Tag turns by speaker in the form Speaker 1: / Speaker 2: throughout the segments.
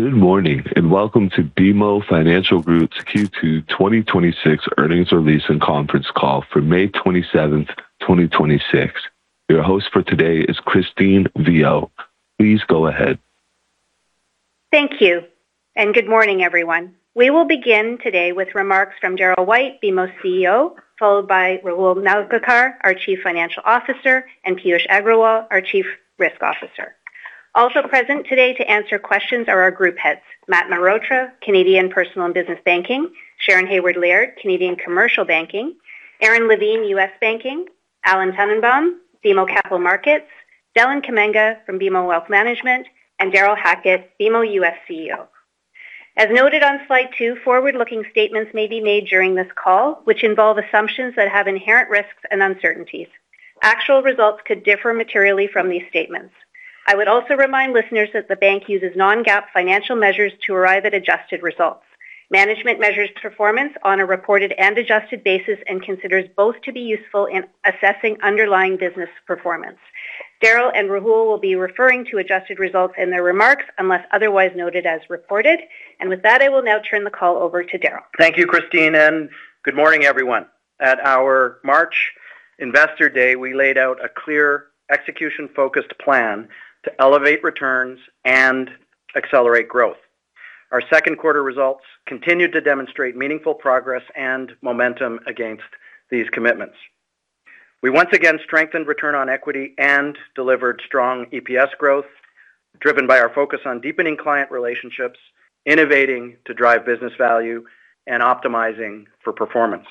Speaker 1: Good morning, welcome to BMO Financial Group's Q2 2026 earnings release and conference call for May 27th, 2026. Your host for today is Christine Viau. Please go ahead.
Speaker 2: Thank you. Good morning, everyone. We will begin today with remarks from Darryl White, BMO's CEO, followed by Rahul Nalgirkar, our Chief Financial Officer, and Piyush Agrawal, our Chief Risk Officer. Also present today to answer questions are our group heads, Mat Mehrotra, Canadian Personal and Business Banking, Sharon Haward-Laird, Canadian Commercial Banking, Aron Levine, U.S. Banking, Alan Tannenbaum, BMO Capital Markets, Deland Kamanga from BMO Wealth Management, and Darrel Hackett, BMO U.S. CEO. As noted on slide two, forward-looking statements may be made during this call, which involve assumptions that have inherent risks and uncertainties. Actual results could differ materially from these statements. I would also remind listeners that the bank uses non-GAAP financial measures to arrive at adjusted results. Management measures performance on a reported and adjusted basis and considers both to be useful in assessing underlying business performance. Darryl and Rahul will be referring to adjusted results in their remarks, unless otherwise noted as reported. With that, I will now turn the call over to Darryl.
Speaker 3: Thank you, Christine Viau, and good morning, everyone. At our March Investor Day, we laid out a clear execution-focused plan to elevate returns and accelerate growth. Our second quarter results continued to demonstrate meaningful progress and momentum against these commitments. We once again strengthened return on equity and delivered strong EPS growth driven by our focus on deepening client relationships, innovating to drive business value, and optimizing for performance.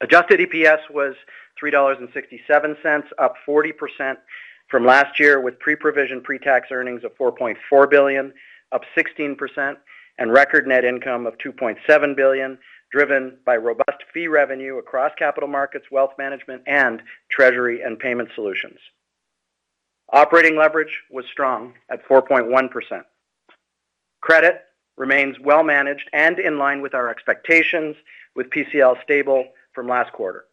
Speaker 3: Adjusted EPS was 3.67 dollars, up 40% from last year, with pre-provision pre-tax earnings of 4.4 billion, up 16%, and record net income of 2.7 billion, driven by robust fee revenue across Capital Markets, Wealth Management, and Treasury and Payment Solutions. Operating leverage was strong at 4.1%. Credit remains well-managed and in line with our expectations, with PCL stable from last quarter.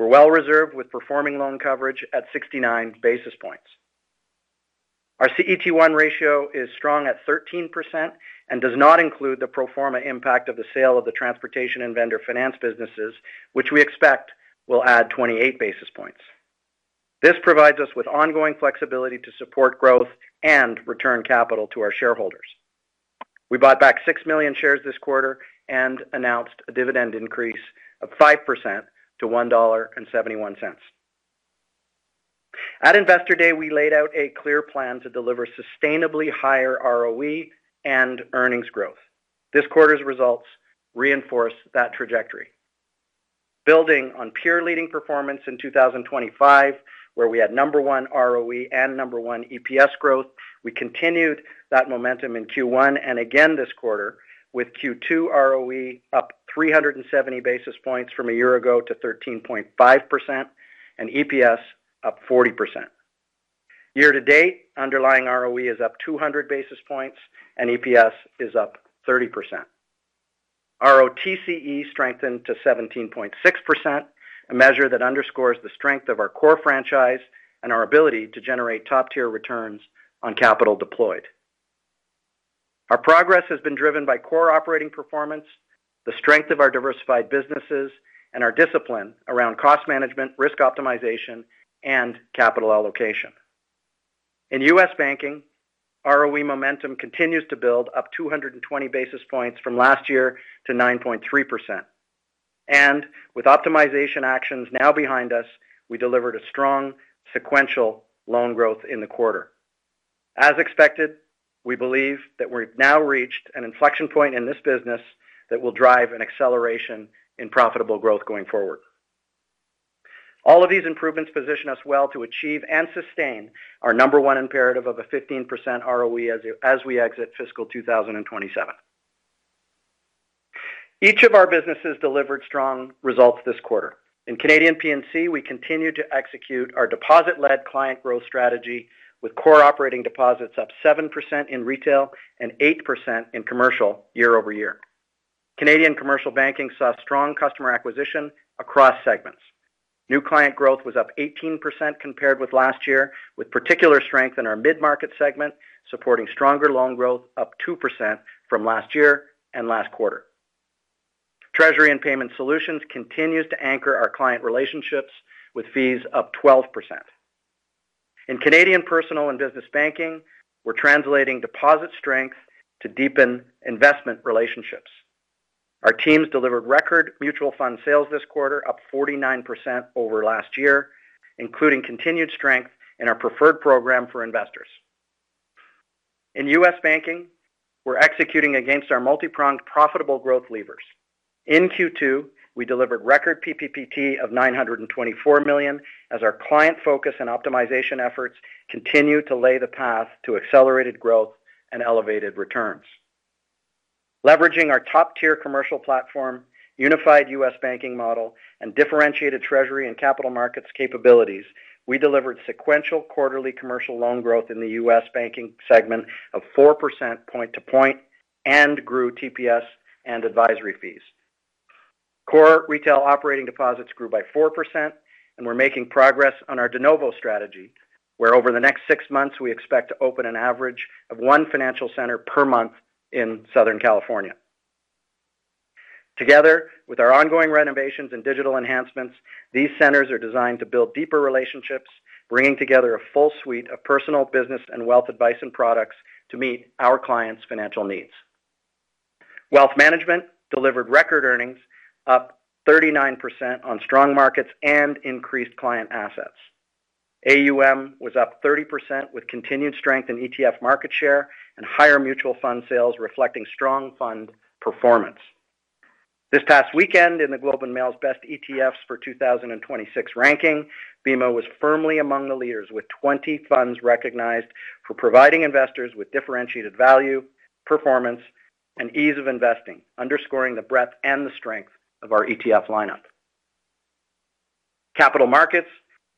Speaker 3: We're well reserved with performing loan coverage at 69 basis points. Our CET1 ratio is strong at 13% and does not include the pro forma impact of the sale of the transportation and vendor finance businesses, which we expect will add 28 basis points. This provides us with ongoing flexibility to support growth and return capital to our shareholders. We bought back six million shares this quarter and announced a dividend increase of 5% to 1.71 dollar. At Investor Day, we laid out a clear plan to deliver sustainably higher ROE and earnings growth. This quarter's results reinforce that trajectory. Building on peer-leading performance in 2025, where we had number one ROE and number one EPS growth, we continued that momentum in Q1 and again this quarter with Q2 ROE up 370 basis points from a year ago to 13.5%, and EPS up 40%. Year-to-date, underlying ROE is up 200 basis points and EPS is up 30%. ROTCE strengthened to 17.6%, a measure that underscores the strength of our core franchise and our ability to generate top-tier returns on capital deployed. Our progress has been driven by core operating performance, the strength of our diversified businesses, and our discipline around cost management, risk optimization, and capital allocation. In U.S. Banking, ROE momentum continues to build up 220 basis points from last year to 9.3%. With optimization actions now behind us, we delivered a strong sequential loan growth in the quarter. As expected, we believe that we've now reached an inflection point in this business that will drive an acceleration in profitable growth going forward. All of these improvements position us well to achieve and sustain our number one imperative of a 15% ROE as we exit fiscal 2027. Each of our businesses delivered strong results this quarter. In Canadian P&C, we continue to execute our deposit-led client growth strategy with core operating deposits up 7% in retail and 8% in commercial year-over-year. Canadian Commercial Banking saw strong customer acquisition across segments. New client growth was up 18% compared with last year, with particular strength in our mid-market segment, supporting stronger loan growth up 2% from last year and last quarter. Treasury and Payment Solutions continues to anchor our client relationships with fees up 12%. In Canadian Personal and Business Banking, we're translating deposit strength to deepen investment relationships. Our teams delivered record mutual fund sales this quarter, up 49% over last year, including continued strength in our preferred program for investors. In U.S. Banking, we're executing against our multi-pronged profitable growth levers. In Q2, we delivered record PPPT of 924 million as our client focus and optimization efforts continue to lay the path to accelerated growth and elevated returns. Leveraging our top-tier commercial platform, unified U.S. Banking model, and differentiated treasury and capital markets capabilities, we delivered sequential quarterly commercial loan growth in the U.S. Banking segment of 4% point-to-point and grew TPS and advisory fees. We're making progress on our de novo strategy, where over the next six months, we expect to open an average of one financial center per month in Southern California. Together, with our ongoing renovations and digital enhancements, these centers are designed to build deeper relationships, bringing together a full suite of personal business and wealth advice and products to meet our clients' financial needs. Wealth Management delivered record earnings up 39% on strong markets and increased client assets. AUM was up 30% with continued strength in ETF market share and higher mutual fund sales reflecting strong fund performance. This past weekend in The Globe and Mail's best ETFs for 2026 ranking, BMO was firmly among the leaders with 20 funds recognized for providing investors with differentiated value, performance, and ease of investing, underscoring the breadth and the strength of our ETF lineup. Capital markets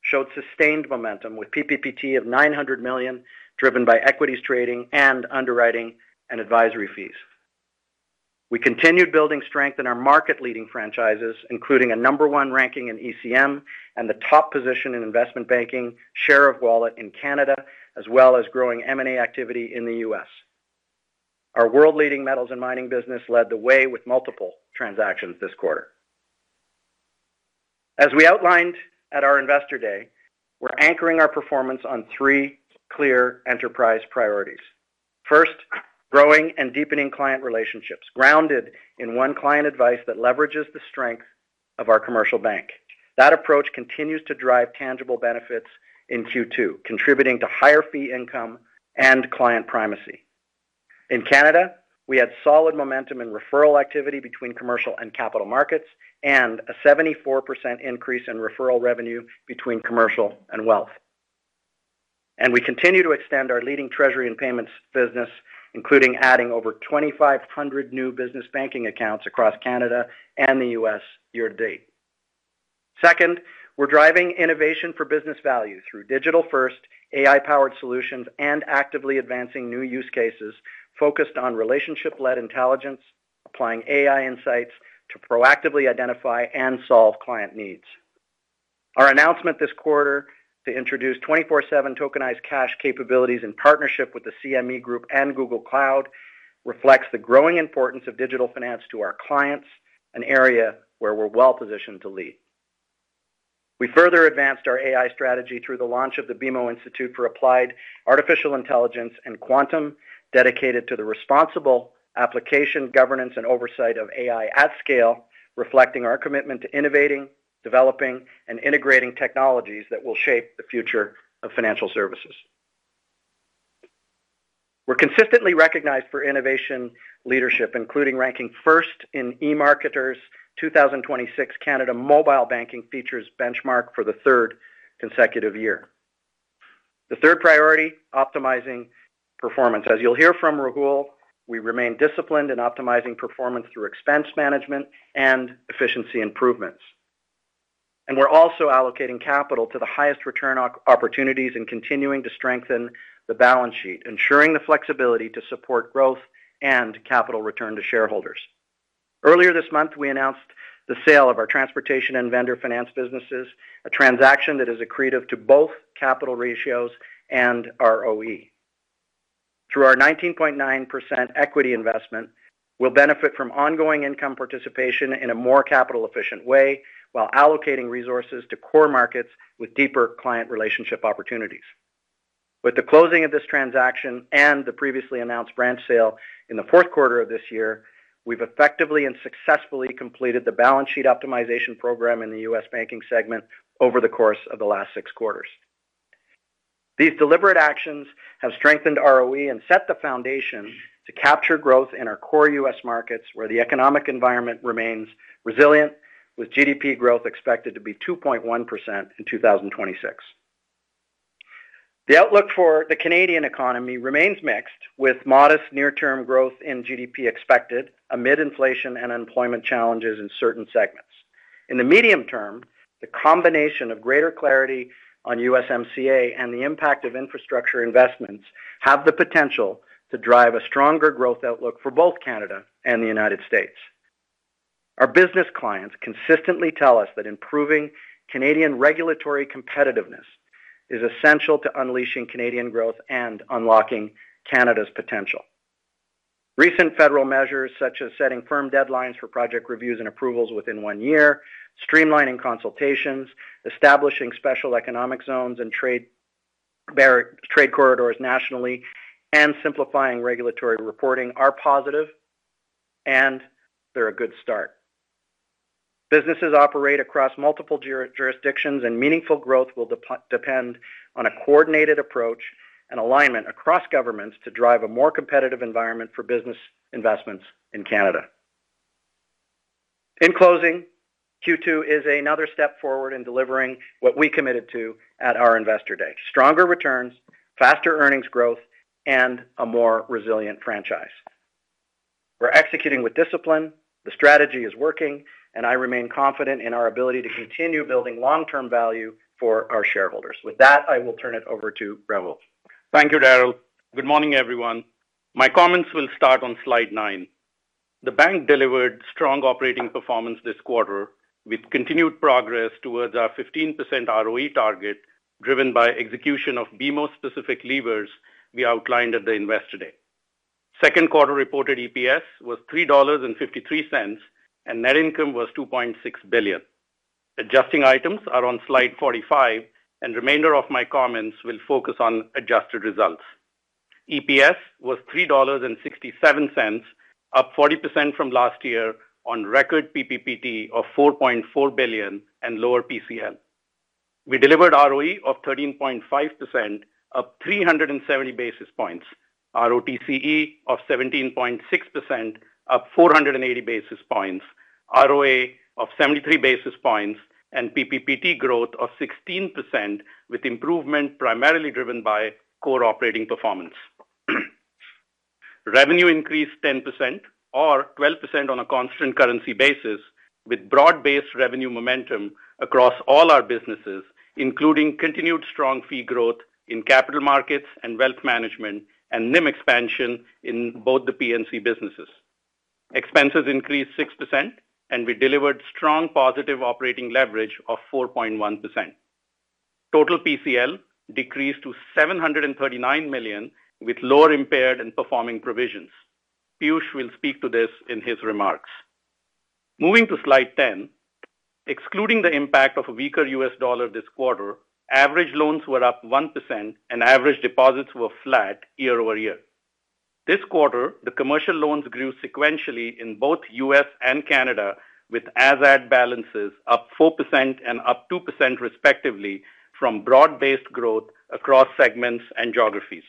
Speaker 3: showed sustained momentum with PPPT of 900 million, driven by equities trading and underwriting and advisory fees. We continued building strength in our market-leading franchises, including a number one ranking in ECM and the top position in investment banking, share of wallet in Canada, as well as growing M&A activity in the U.S. Our world-leading metals and mining business led the way with multiple transactions this quarter. As we outlined at our Investor Day, we're anchoring our performance on three clear enterprise priorities. First, growing and deepening client relationships, grounded in one client advice that leverages the strength of our Commercial Bank. That approach continues to drive tangible benefits in Q2, contributing to higher fee income and client primacy. In Canada, we had solid momentum in referral activity between Commercial and Capital Markets and a 74% increase in referral revenue between Commercial and Wealth. We continue to extend our leading treasury and payments business, including adding over 2,500 new business banking accounts across Canada and the U.S. year-to-date. Second, we're driving innovation for business value through digital-first AI-powered solutions and actively advancing new use cases focused on relationship-led intelligence, applying AI insights to proactively identify and solve client needs. Our announcement this quarter to introduce 24/7 tokenized cash capabilities in partnership with the CME Group and Google Cloud reflects the growing importance of digital finance to our clients, an area where we're well-positioned to lead. We further advanced our AI strategy through the launch of the BMO Institute for Applied Artificial Intelligence & Quantum, dedicated to the responsible application, governance, and oversight of AI at scale, reflecting our commitment to innovating, developing, and integrating technologies that will shape the future of financial services. We're consistently recognized for innovation leadership, including ranking first in EMARKETER's 2026 Canada Mobile Banking Features benchmark for the third consecutive year. The third priority, optimizing performance. As you'll hear from Rahul, we remain disciplined in optimizing performance through expense management and efficiency improvements. We're also allocating capital to the highest return opportunities and continuing to strengthen the balance sheet, ensuring the flexibility to support growth and capital return to shareholders. Earlier this month, we announced the sale of our transportation and vendor finance businesses, a transaction that is accretive to both capital ratios and ROE. Through our 19.9% equity investment, we'll benefit from ongoing income participation in a more capital-efficient way while allocating resources to core markets with deeper client relationship opportunities. With the closing of this transaction and the previously announced branch sale in the fourth quarter of this year, we've effectively and successfully completed the balance sheet optimization program in the U.S. Banking segment over the course of the last six quarters. These deliberate actions have strengthened ROE and set the foundation to capture growth in our core U.S. markets, where the economic environment remains resilient, with GDP growth expected to be 2.1% in 2026. The outlook for the Canadian economy remains mixed, with modest near-term growth in GDP expected amid inflation and unemployment challenges in certain segments. In the medium term, the combination of greater clarity on USMCA and the impact of infrastructure investments have the potential to drive a stronger growth outlook for both Canada and the United States. Our business clients consistently tell us that improving Canadian regulatory competitiveness is essential to unleashing Canadian growth and unlocking Canada's potential. Recent federal measures, such as setting firm deadlines for project reviews and approvals within one year, streamlining consultations, establishing special economic zones and trade corridors nationally, and simplifying regulatory reporting are positive, and they're a good start. Businesses operate across multiple jurisdictions, and meaningful growth will depend on a coordinated approach and alignment across governments to drive a more competitive environment for business investments in Canada. In closing, Q2 is another step forward in delivering what we committed to at our Investor Day: stronger returns, faster earnings growth, and a more resilient franchise. We're executing with discipline, the strategy is working, and I remain confident in our ability to continue building long-term value for our shareholders. With that, I will turn it over to Rahul.
Speaker 4: Thank you, Darryl. Good morning, everyone. My comments will start on slide nine. The bank delivered strong operating performance this quarter with continued progress towards our 15% ROE target, driven by execution of BMO specific levers we outlined at the Investor Day. Second quarter reported EPS was 3.53 dollars, net income was 2.6 billion. Adjusting items are on slide 45, remainder of my comments will focus on adjusted results. EPS was 3.67 dollars, up 40% from last year on record PPPT of 4.4 billion and lower PCL. We delivered ROE of 13.5%, up 370 basis points, ROTCE of 17.6%, up 480 basis points, ROA of 73 basis points, and PPPT growth of 16%, with improvement primarily driven by core operating performance. Revenue increased 10%, or 12% on a constant currency basis, with broad-based revenue momentum across all our businesses, including continued strong fee growth in Capital Markets and Wealth Management, and NIM expansion in both the P&C businesses. Expenses increased 6%, and we delivered strong positive operating leverage of 4.1%. Total PCL decreased to 739 million, with lower impaired and performing provisions. Piyush will speak to this in his remarks. Moving to slide 10. Excluding the impact of a weaker U.S. dollar this quarter, average loans were up 1%, and average deposits were flat year-over-year. This quarter, the commercial loans grew sequentially in both U.S. and Canada, with asset balances up 4% and up 2% respectively from broad-based growth across segments and geographies.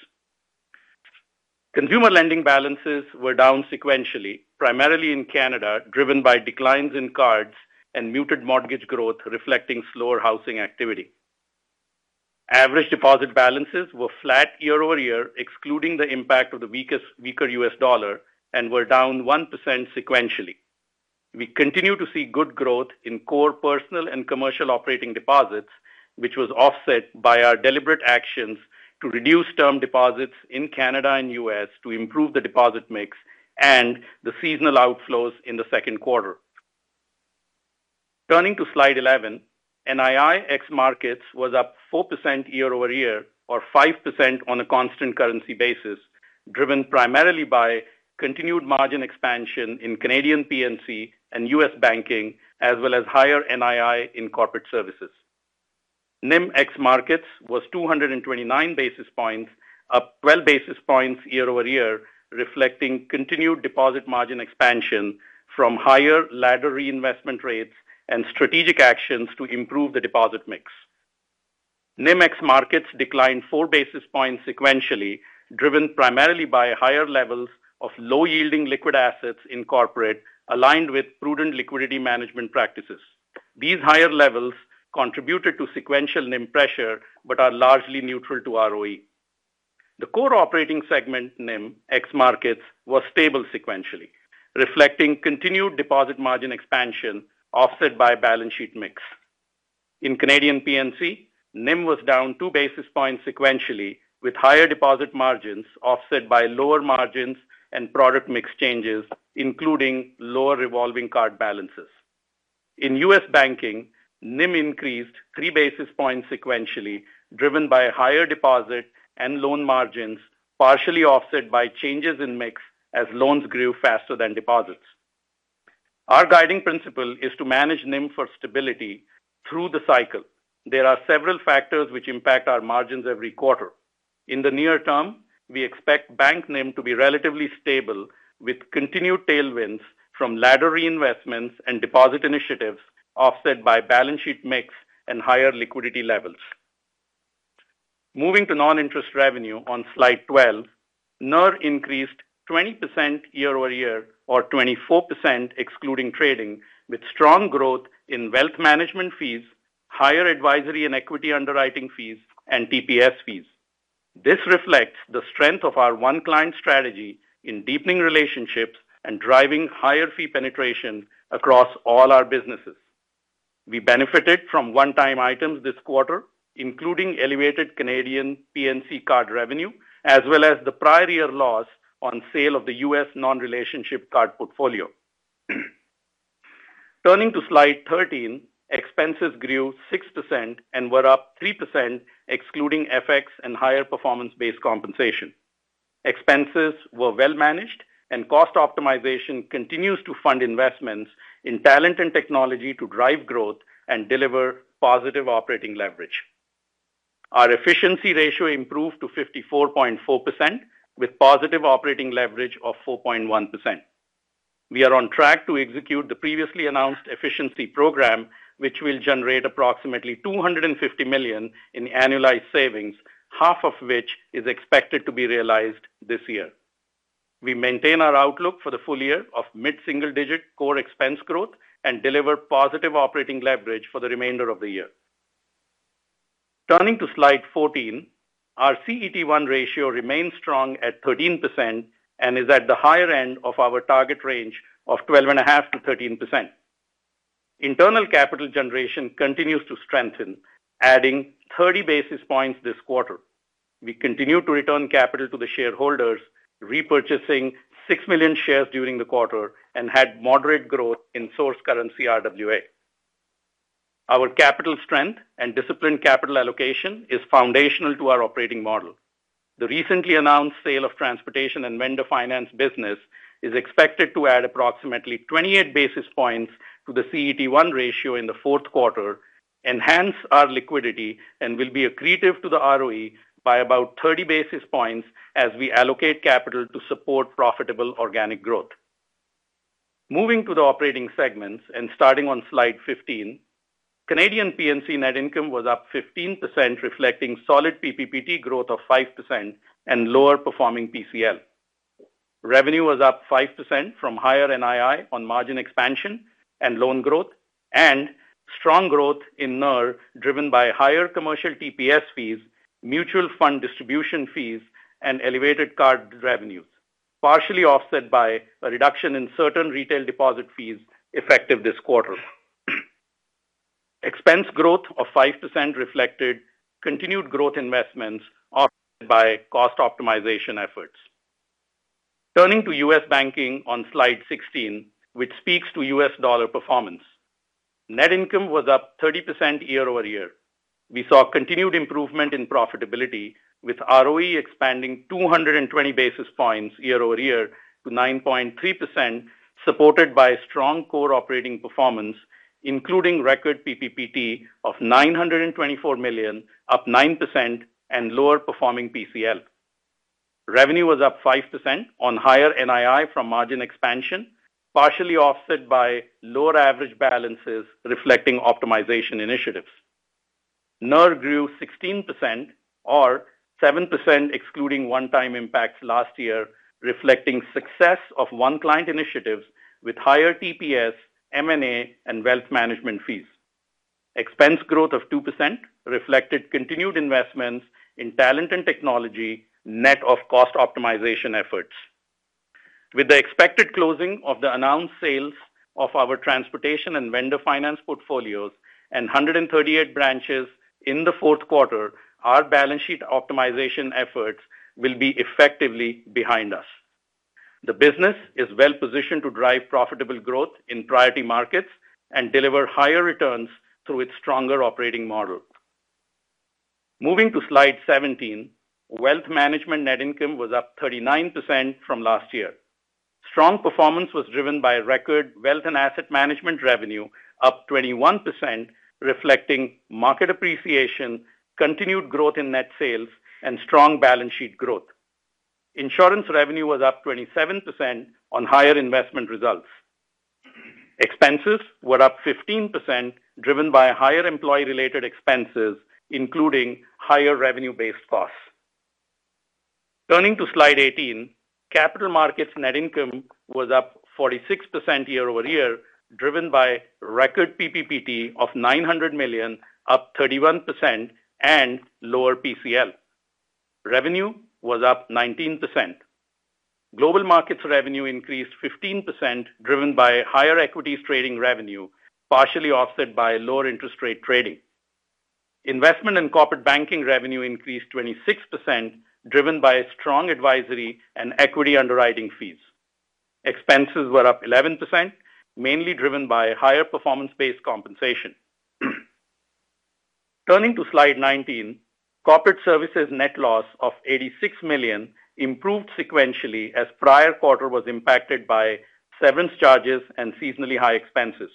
Speaker 4: Consumer lending balances were down sequentially, primarily in Canada, driven by declines in cards and muted mortgage growth reflecting slower housing activity. Average deposit balances were flat year-over-year, excluding the impact of the weaker US dollar, and were down 1% sequentially. We continue to see good growth in core Personal and Commercial operating deposits, which was offset by our deliberate actions to reduce term deposits in Canada and U.S. to improve the deposit mix, and the seasonal outflows in the second quarter. Turning to slide 11. NII ex markets was up 4% year-over-year, or 5% on a constant currency basis, driven primarily by continued margin expansion in Canadian P&C and U.S. Banking, as well as higher NII in corporate services. NIM ex markets was 229 basis points, up 12 basis points year-over-year, reflecting continued deposit margin expansion from higher ladder reinvestment rates and strategic actions to improve the deposit mix. NIM ex markets declined four basis points sequentially, driven primarily by higher levels of low-yielding liquid assets in corporate, aligned with prudent liquidity management practices. These higher levels contributed to sequential NIM pressure but are largely neutral to ROE. The core operating segment NIM ex markets was stable sequentially, reflecting continued deposit margin expansion offset by balance sheet mix. In Canadian P&C, NIM was down two basis points sequentially, with higher deposit margins offset by lower margins and product mix changes, including lower revolving card balances. In U.S. Banking, NIM increased three basis points sequentially, driven by higher deposit and loan margins, partially offset by changes in mix as loans grew faster than deposits. Our guiding principle is to manage NIM for stability through the cycle. There are several factors which impact our margins every quarter. In the near term, we expect bank NIM to be relatively stable, with continued tailwinds from ladder reinvestments and deposit initiatives offset by balance sheet mix and higher liquidity levels. Moving to non-interest revenue on slide 12. NIR increased 20% year-over-year, or 24% excluding trading, with strong growth in Wealth Management fees, higher advisory and equity underwriting fees, and TPS fees. This reflects the strength of our one-client strategy in deepening relationships and driving higher fee penetration across all our businesses. We benefited from one-time items this quarter, including elevated Canadian P&C card revenue, as well as the prior year loss on sale of the U.S. non-relationship card portfolio. Turning to slide 13. Expenses grew 6% and were up 3% excluding FX and higher performance-based compensation. Expenses were well managed, and cost optimization continues to fund investments in talent and technology to drive growth and deliver positive operating leverage. Our efficiency ratio improved to 54.4%, with positive operating leverage of 4.1%. We are on track to execute the previously announced efficiency program, which will generate approximately 250 million in annualized savings, half of which is expected to be realized this year. We maintain our outlook for the full year of mid-single-digit core expense growth and deliver positive operating leverage for the remainder of the year. Turning to slide 14. Our CET1 ratio remains strong at 13% and is at the higher end of our target range of 12.5%-13%. Internal capital generation continues to strengthen, adding 30 basis points this quarter. We continue to return capital to the shareholders, repurchasing 6 million shares during the quarter, and had moderate growth in source currency RWA. Our capital strength and disciplined capital allocation is foundational to our operating model. The recently announced sale of transportation and vendor finance business is expected to add approximately 28 basis points to the CET1 ratio in the fourth quarter, enhance our liquidity, and will be accretive to the ROE by about 30 basis points as we allocate capital to support profitable organic growth. Moving to the operating segments and starting on slide 15, Canadian P&C net income was up 15%, reflecting solid PPPT growth of 5% and lower performing PCL. Revenue was up 5% from higher NII on margin expansion and loan growth, and strong growth in NNR driven by higher commercial TPS fees, mutual fund distribution fees, and elevated card revenues, partially offset by a reduction in certain retail deposit fees effective this quarter. Expense growth of 5% reflected continued growth investments offset by cost optimization efforts. Turning to U.S. Banking on slide 16, which speaks to US dollar performance. Net income was up 30% year-over-year. We saw continued improvement in profitability with ROE expanding 220 basis points year-over-year to 9.3%, supported by strong core operating performance, including record PPPT of $924 million, up 9%, and lower performing PCL. Revenue was up 5% on higher NII from margin expansion, partially offset by lower average balances reflecting optimization initiatives. NNR grew 16%, or 7% excluding one-time impacts last year, reflecting success of one client initiatives with higher TPS, M&A, and Wealth Management fees. Expense growth of 2% reflected continued investments in talent and technology, net of cost optimization efforts. With the expected closing of the announced sales of our transportation and vendor finance portfolios and 138 branches in the fourth quarter, our balance sheet optimization efforts will be effectively behind us. The business is well-positioned to drive profitable growth in priority markets and deliver higher returns through its stronger operating model. Moving to slide 17. Wealth Management net income was up 39% from last year. Strong performance was driven by record wealth and Asset Management revenue up 21%, reflecting market appreciation, continued growth in net sales, and strong balance sheet growth. Insurance revenue was up 27% on higher investment results. Expenses were up 15%, driven by higher employee-related expenses, including higher revenue-based costs. Turning to slide 18, Capital Markets net income was up 46% year-over-year, driven by record PPPT of 900 million, up 31%, and lower PCL. Revenue was up 19%. Global markets revenue increased 15%, driven by higher equities trading revenue, partially offset by lower interest rate trading. Investment and corporate banking revenue increased 26%, driven by strong advisory and equity underwriting fees. Expenses were up 11%, mainly driven by higher performance-based compensation. Turning to slide 19. Corporate Services net loss of 86 million improved sequentially as prior quarter was impacted by severance charges and seasonally high expenses.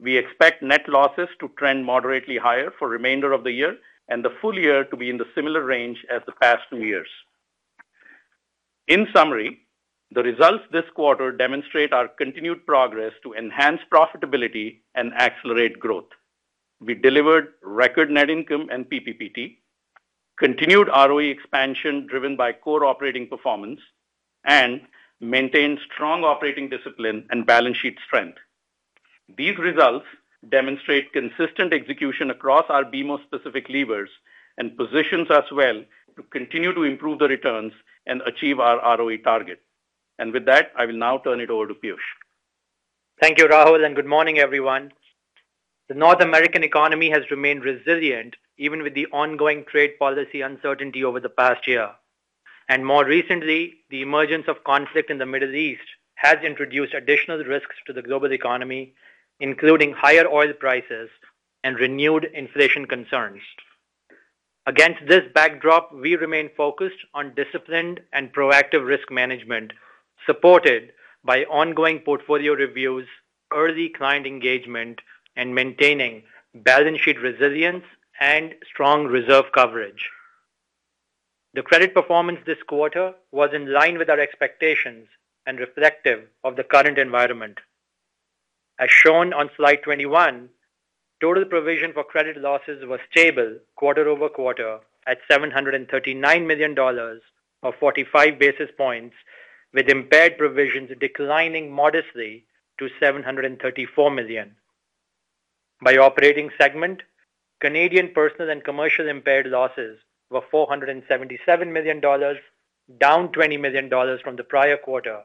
Speaker 4: We expect net losses to trend moderately higher for remainder of the year, and the full year to be in the similar range as the past two years. In summary, the results this quarter demonstrate our continued progress to enhance profitability and accelerate growth. We delivered record net income and PPPT, continued ROE expansion driven by core operating performance, and maintained strong operating discipline and balance sheet strength. These results demonstrate consistent execution across our BMO specific levers and positions us well to continue to improve the returns and achieve our ROE target. With that, I will now turn it over to Piyush.
Speaker 5: Thank you, Rahul. Good morning, everyone. The North American economy has remained resilient even with the ongoing trade policy uncertainty over the past year. More recently, the emergence of conflict in the Middle East has introduced additional risks to the global economy, including higher oil prices and renewed inflation concerns. Against this backdrop, we remain focused on disciplined and proactive risk management, supported by ongoing portfolio reviews, early client engagement, and maintaining balance sheet resilience and strong reserve coverage. The credit performance this quarter was in line with our expectations and reflective of the current environment. As shown on slide 21, total provision for credit losses was stable quarter-over-quarter at 739 million dollars, or 45 basis points, with impaired provisions declining modestly to 734 million. By operating segment, Canadian Personal and Commercial impaired losses were 477 million dollars, down 20 million dollars from the prior quarter,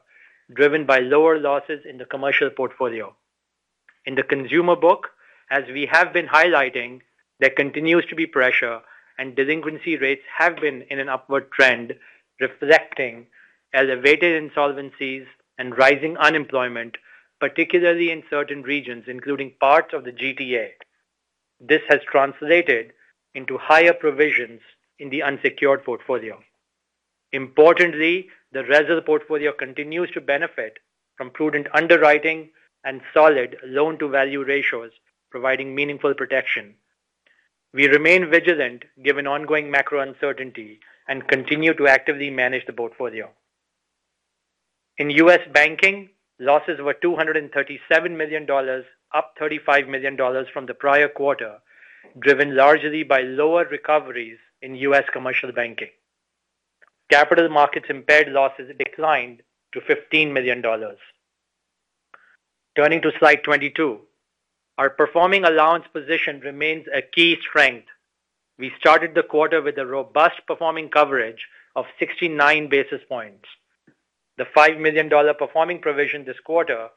Speaker 5: driven by lower losses in the commercial portfolio. In the consumer book, as we have been highlighting, there continues to be pressure and delinquency rates have been in an upward trend, reflecting elevated insolvencies and rising unemployment, particularly in certain regions, including parts of the GTA. This has translated into higher provisions in the unsecured portfolio. Importantly, the resi portfolio continues to benefit from prudent underwriting and solid loan-to-value ratios, providing meaningful protection. We remain vigilant given ongoing macro uncertainty and continue to actively manage the portfolio. In U.S. Banking, losses were $237 million, up $35 million from the prior quarter, driven largely by lower recoveries in U.S. Commercial Banking. Capital Markets impaired losses declined to $15 million. Turning to slide 22. Our performing allowance position remains a key strength. We started the quarter with a robust performing coverage of 69 basis points. The $5 million performing provision this quarter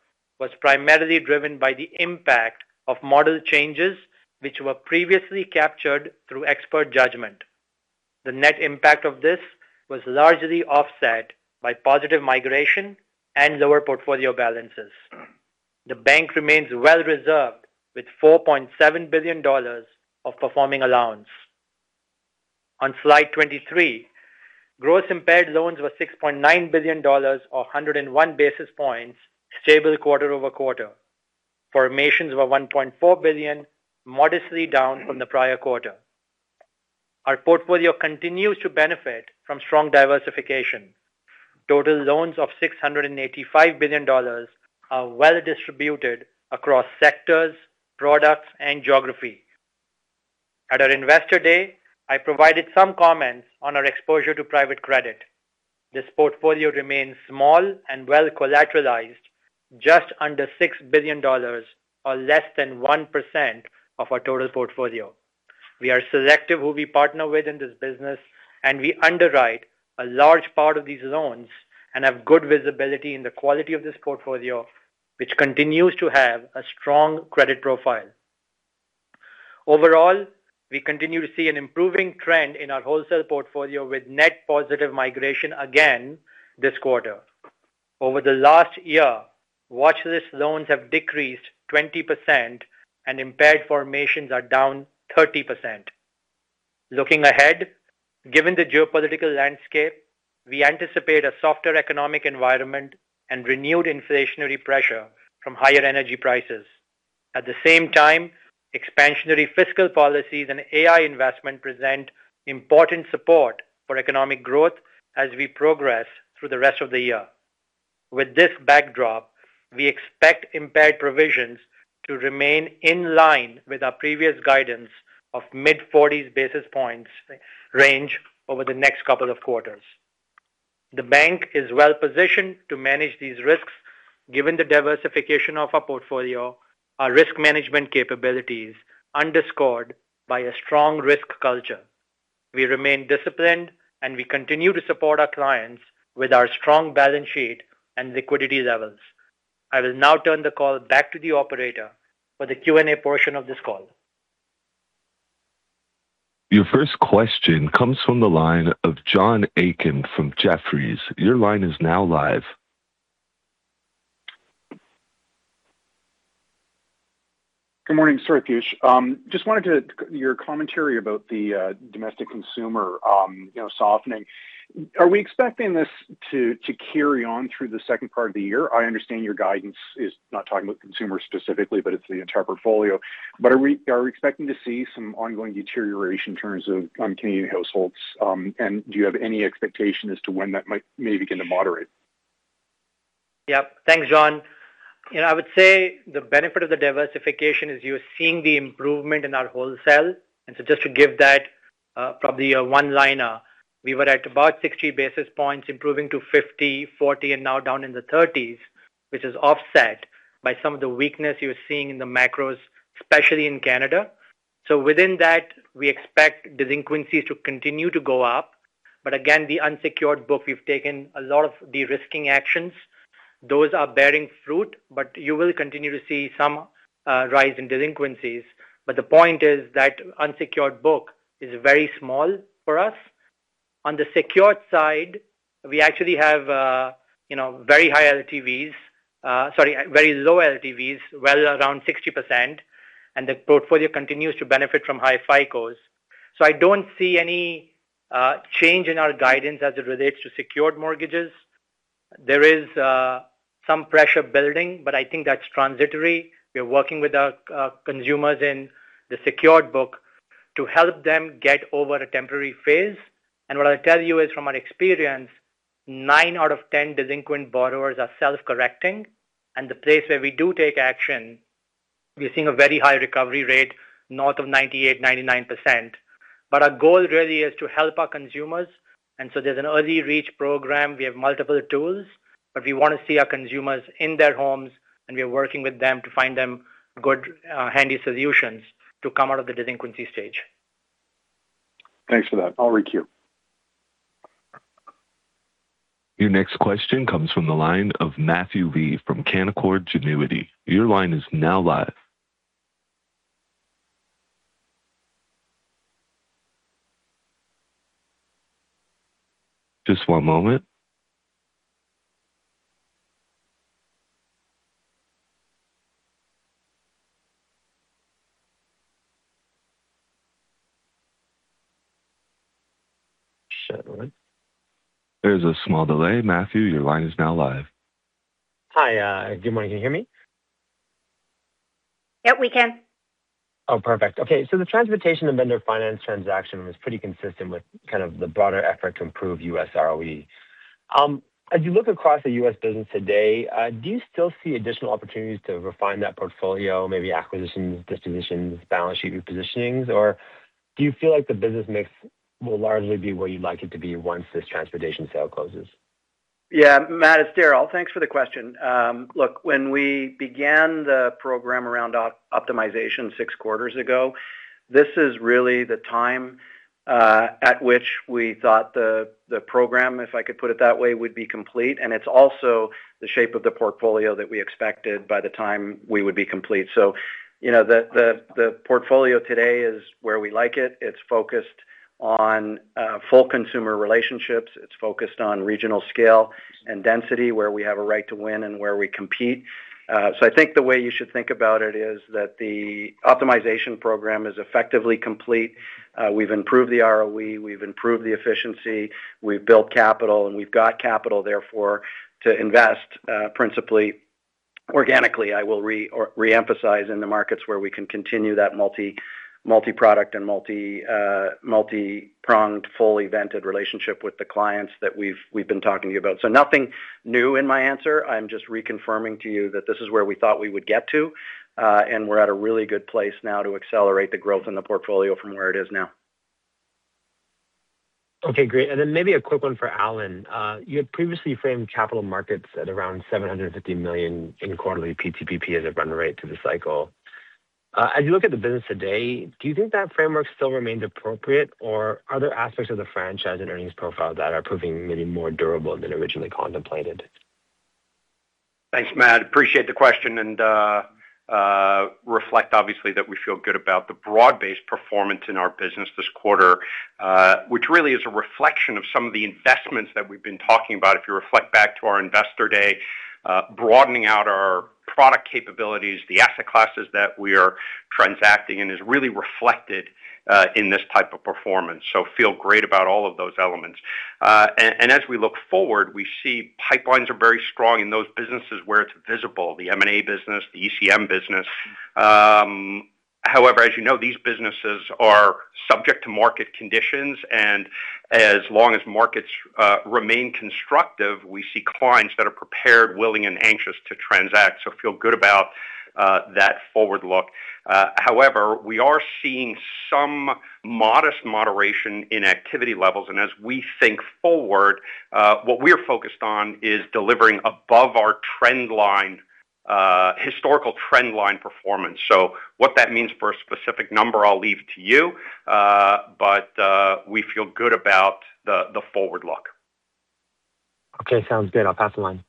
Speaker 5: was primarily driven by the impact of model changes, which were previously captured through expert judgment. The net impact of this was largely offset by positive migration and lower portfolio balances. The bank remains well reserved with $4.7 billion of performing allowance. On slide 23, gross impaired loans were $6.9 billion, or 101 basis points, stable quarter-over-quarter. Formations were $1.4 billion, modestly down from the prior quarter. Our portfolio continues to benefit from strong diversification. Total loans of 685 billion dollars are well distributed across sectors, products, and geography. At our Investor Day, I provided some comments on our exposure to private credit. This portfolio remains small and well collateralized, just under 6 billion dollars or less than 1% of our total portfolio. We are selective who we partner with in this business. We underwrite a large part of these loans and have good visibility in the quality of this portfolio, which continues to have a strong credit profile. Overall, we continue to see an improving trend in our wholesale portfolio with net positive migration again this quarter. Over the last year, watchlist loans have decreased 20% and impaired formations are down 30%. Looking ahead, given the geopolitical landscape, we anticipate a softer economic environment and renewed inflationary pressure from higher energy prices. At the same time, expansionary fiscal policies and AI investment present important support for economic growth as we progress through the rest of the year. With this backdrop, we expect impaired provisions to remain in line with our previous guidance of mid-40s basis points range over the next couple of quarters. The bank is well-positioned to manage these risks given the diversification of our portfolio, our risk management capabilities underscored by a strong risk culture. We remain disciplined, and we continue to support our clients with our strong balance sheet and liquidity levels. I will now turn the call back to the operator for the Q&A portion of this call.
Speaker 1: Your first question comes from the line of John Aiken from Jefferies. Your line is now live.
Speaker 6: Good morning. Sorry, Piyush. Your commentary about the domestic consumer softening. Are we expecting this to carry on through the second part of the year? I understand your guidance is not talking about consumer specifically, but it's the entire portfolio. Are we expecting to see some ongoing deterioration in terms of Canadian households? Do you have any expectation as to when that might maybe begin to moderate?
Speaker 5: Yep. Thanks, John. I would say the benefit of the diversification is you're seeing the improvement in our wholesale. Just to give that probably a one-liner, we were at about 60 basis points improving to 50, 40, and now down in the 30s, which is offset by some of the weakness you're seeing in the macros, especially in Canada. Within that, we expect delinquencies to continue to go up. Again, the unsecured book, we've taken a lot of de-risking actions. Those are bearing fruit, but you will continue to see some rise in delinquencies. The point is that unsecured book is very small for us. On the secured side, we actually have very high LTVs. Sorry, very low LTVs, well around 60%, and the portfolio continues to benefit from high FICOs. I don't see any change in our guidance as it relates to secured mortgages. There is some pressure building, but I think that's transitory. We're working with our consumers in the secured book to help them get over a temporary phase. What I'll tell you is from our experience, nine out of 10 delinquent borrowers are self-correcting, and the place where we do take action, we're seeing a very high recovery rate north of 98%, 99%. Our goal really is to help our consumers. There's an early reach program. We have multiple tools, but we want to see our consumers in their homes, and we are working with them to find them good handy solutions to come out of the delinquency stage.
Speaker 6: Thanks for that. I'll requeue.
Speaker 1: Your next question comes from the line of Matthew Lee from Canaccord Genuity. Your line is now live. Just one moment.
Speaker 7: Shouldn't work.
Speaker 1: There's a small delay, Matthew. Your line is now live.
Speaker 7: Hi, good morning. Can you hear me?
Speaker 2: Yep, we can.
Speaker 7: Oh, perfect. Okay, the transportation and vendor finance transaction was pretty consistent with kind of the broader effort to improve U.S. ROE. As you look across the U.S. business today, do you still see additional opportunities to refine that portfolio, maybe acquisitions, dispositions, balance sheet repositionings? Do you feel like the business mix will largely be where you'd like it to be once this transportation sale closes?
Speaker 3: Yeah, Matt, it's Darryl. Thanks for the question. Look, when we began the program around optimization six quarters ago, this is really the time at which we thought the program, if I could put it that way, would be complete. It's also the shape of the portfolio that we expected by the time we would be complete. The portfolio today is where we like it. It's focused on full consumer relationships. It's focused on regional scale and density, where we have a right to win and where we compete. I think the way you should think about it is that the optimization program is effectively complete. We've improved the ROE, we've improved the efficiency, we've built capital, and we've got capital therefore to invest principally, organically, I will re-emphasize, in the markets where we can continue that multi-product and multi-pronged, fully vented relationship with the clients that we've been talking to you about. Nothing new in my answer. I'm just reconfirming to you that this is where we thought we would get to. We're at a really good place now to accelerate the growth in the portfolio from where it is now.
Speaker 7: Okay, great. Maybe a quick one for Alan. You had previously framed capital markets at around 750 million in quarterly PPPT as a run-rate through the cycle. As you look at the business today, do you think that framework still remains appropriate? Are there aspects of the franchise and earnings profile that are proving maybe more durable than originally contemplated?
Speaker 8: Thanks, Matt. Appreciate the question. We reflect, obviously, that we feel good about the broad-based performance in our business this quarter, which really is a reflection of some of the investments that we've been talking about. If you reflect back to our Investor Day, broadening out our product capabilities, the asset classes that we are transacting in is really reflected in this type of performance. Feel great about all of those elements. As we look forward, we see pipelines are very strong in those businesses where it's visible, the M&A business, the ECM business. However, as you know, these businesses are subject to market conditions, and as long as markets remain constructive, we see clients that are prepared, willing, and anxious to transact. Feel good about that forward look. However, we are seeing some modest moderation in activity levels, and as we think forward, what we're focused on is delivering above our historical trend line performance. What that means for a specific number, I'll leave to you. We feel good about the forward look.
Speaker 7: Okay, sounds good. I'll pass the line.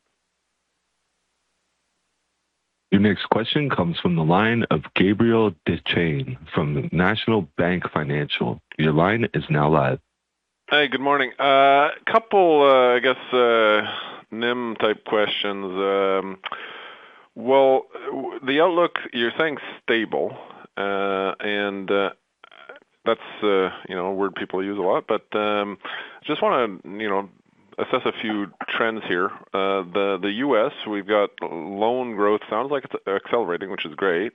Speaker 1: Your next question comes from the line of Gabriel Dechaine from National Bank Financial. Your line is now live.
Speaker 9: Hey, good morning. Couple, I guess NIM-type questions. Well, the outlook, you're saying stable. That's a word people use a lot. Just want to assess a few trends here. The U.S., we've got loan growth sounds like it's accelerating, which is great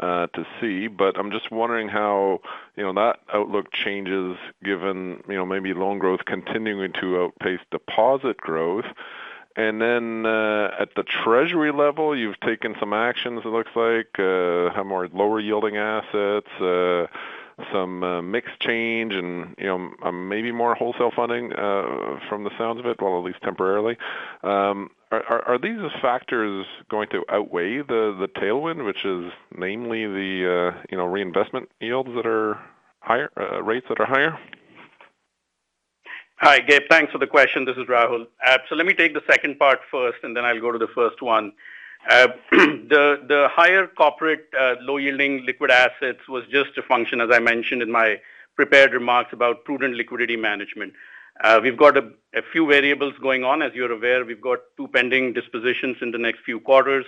Speaker 9: to see. I'm just wondering how that outlook changes given maybe loan growth continuing to outpace deposit growth. Then at the treasury level, you've taken some actions, it looks like. Have more lower yielding assets, some mix change, and maybe more wholesale funding from the sounds of it, well, at least temporarily. Are these factors going to outweigh the tailwind, which is namely the reinvestment yields rates that are higher?
Speaker 4: Hi, Gabe. Thanks for the question. This is Rahul. Let me take the second part first, and then I'll go to the first one. The higher corporate low yielding liquid assets was just a function, as I mentioned in my prepared remarks, about prudent liquidity management. We've got a few variables going on. As you're aware, we've got two pending dispositions in the next few quarters.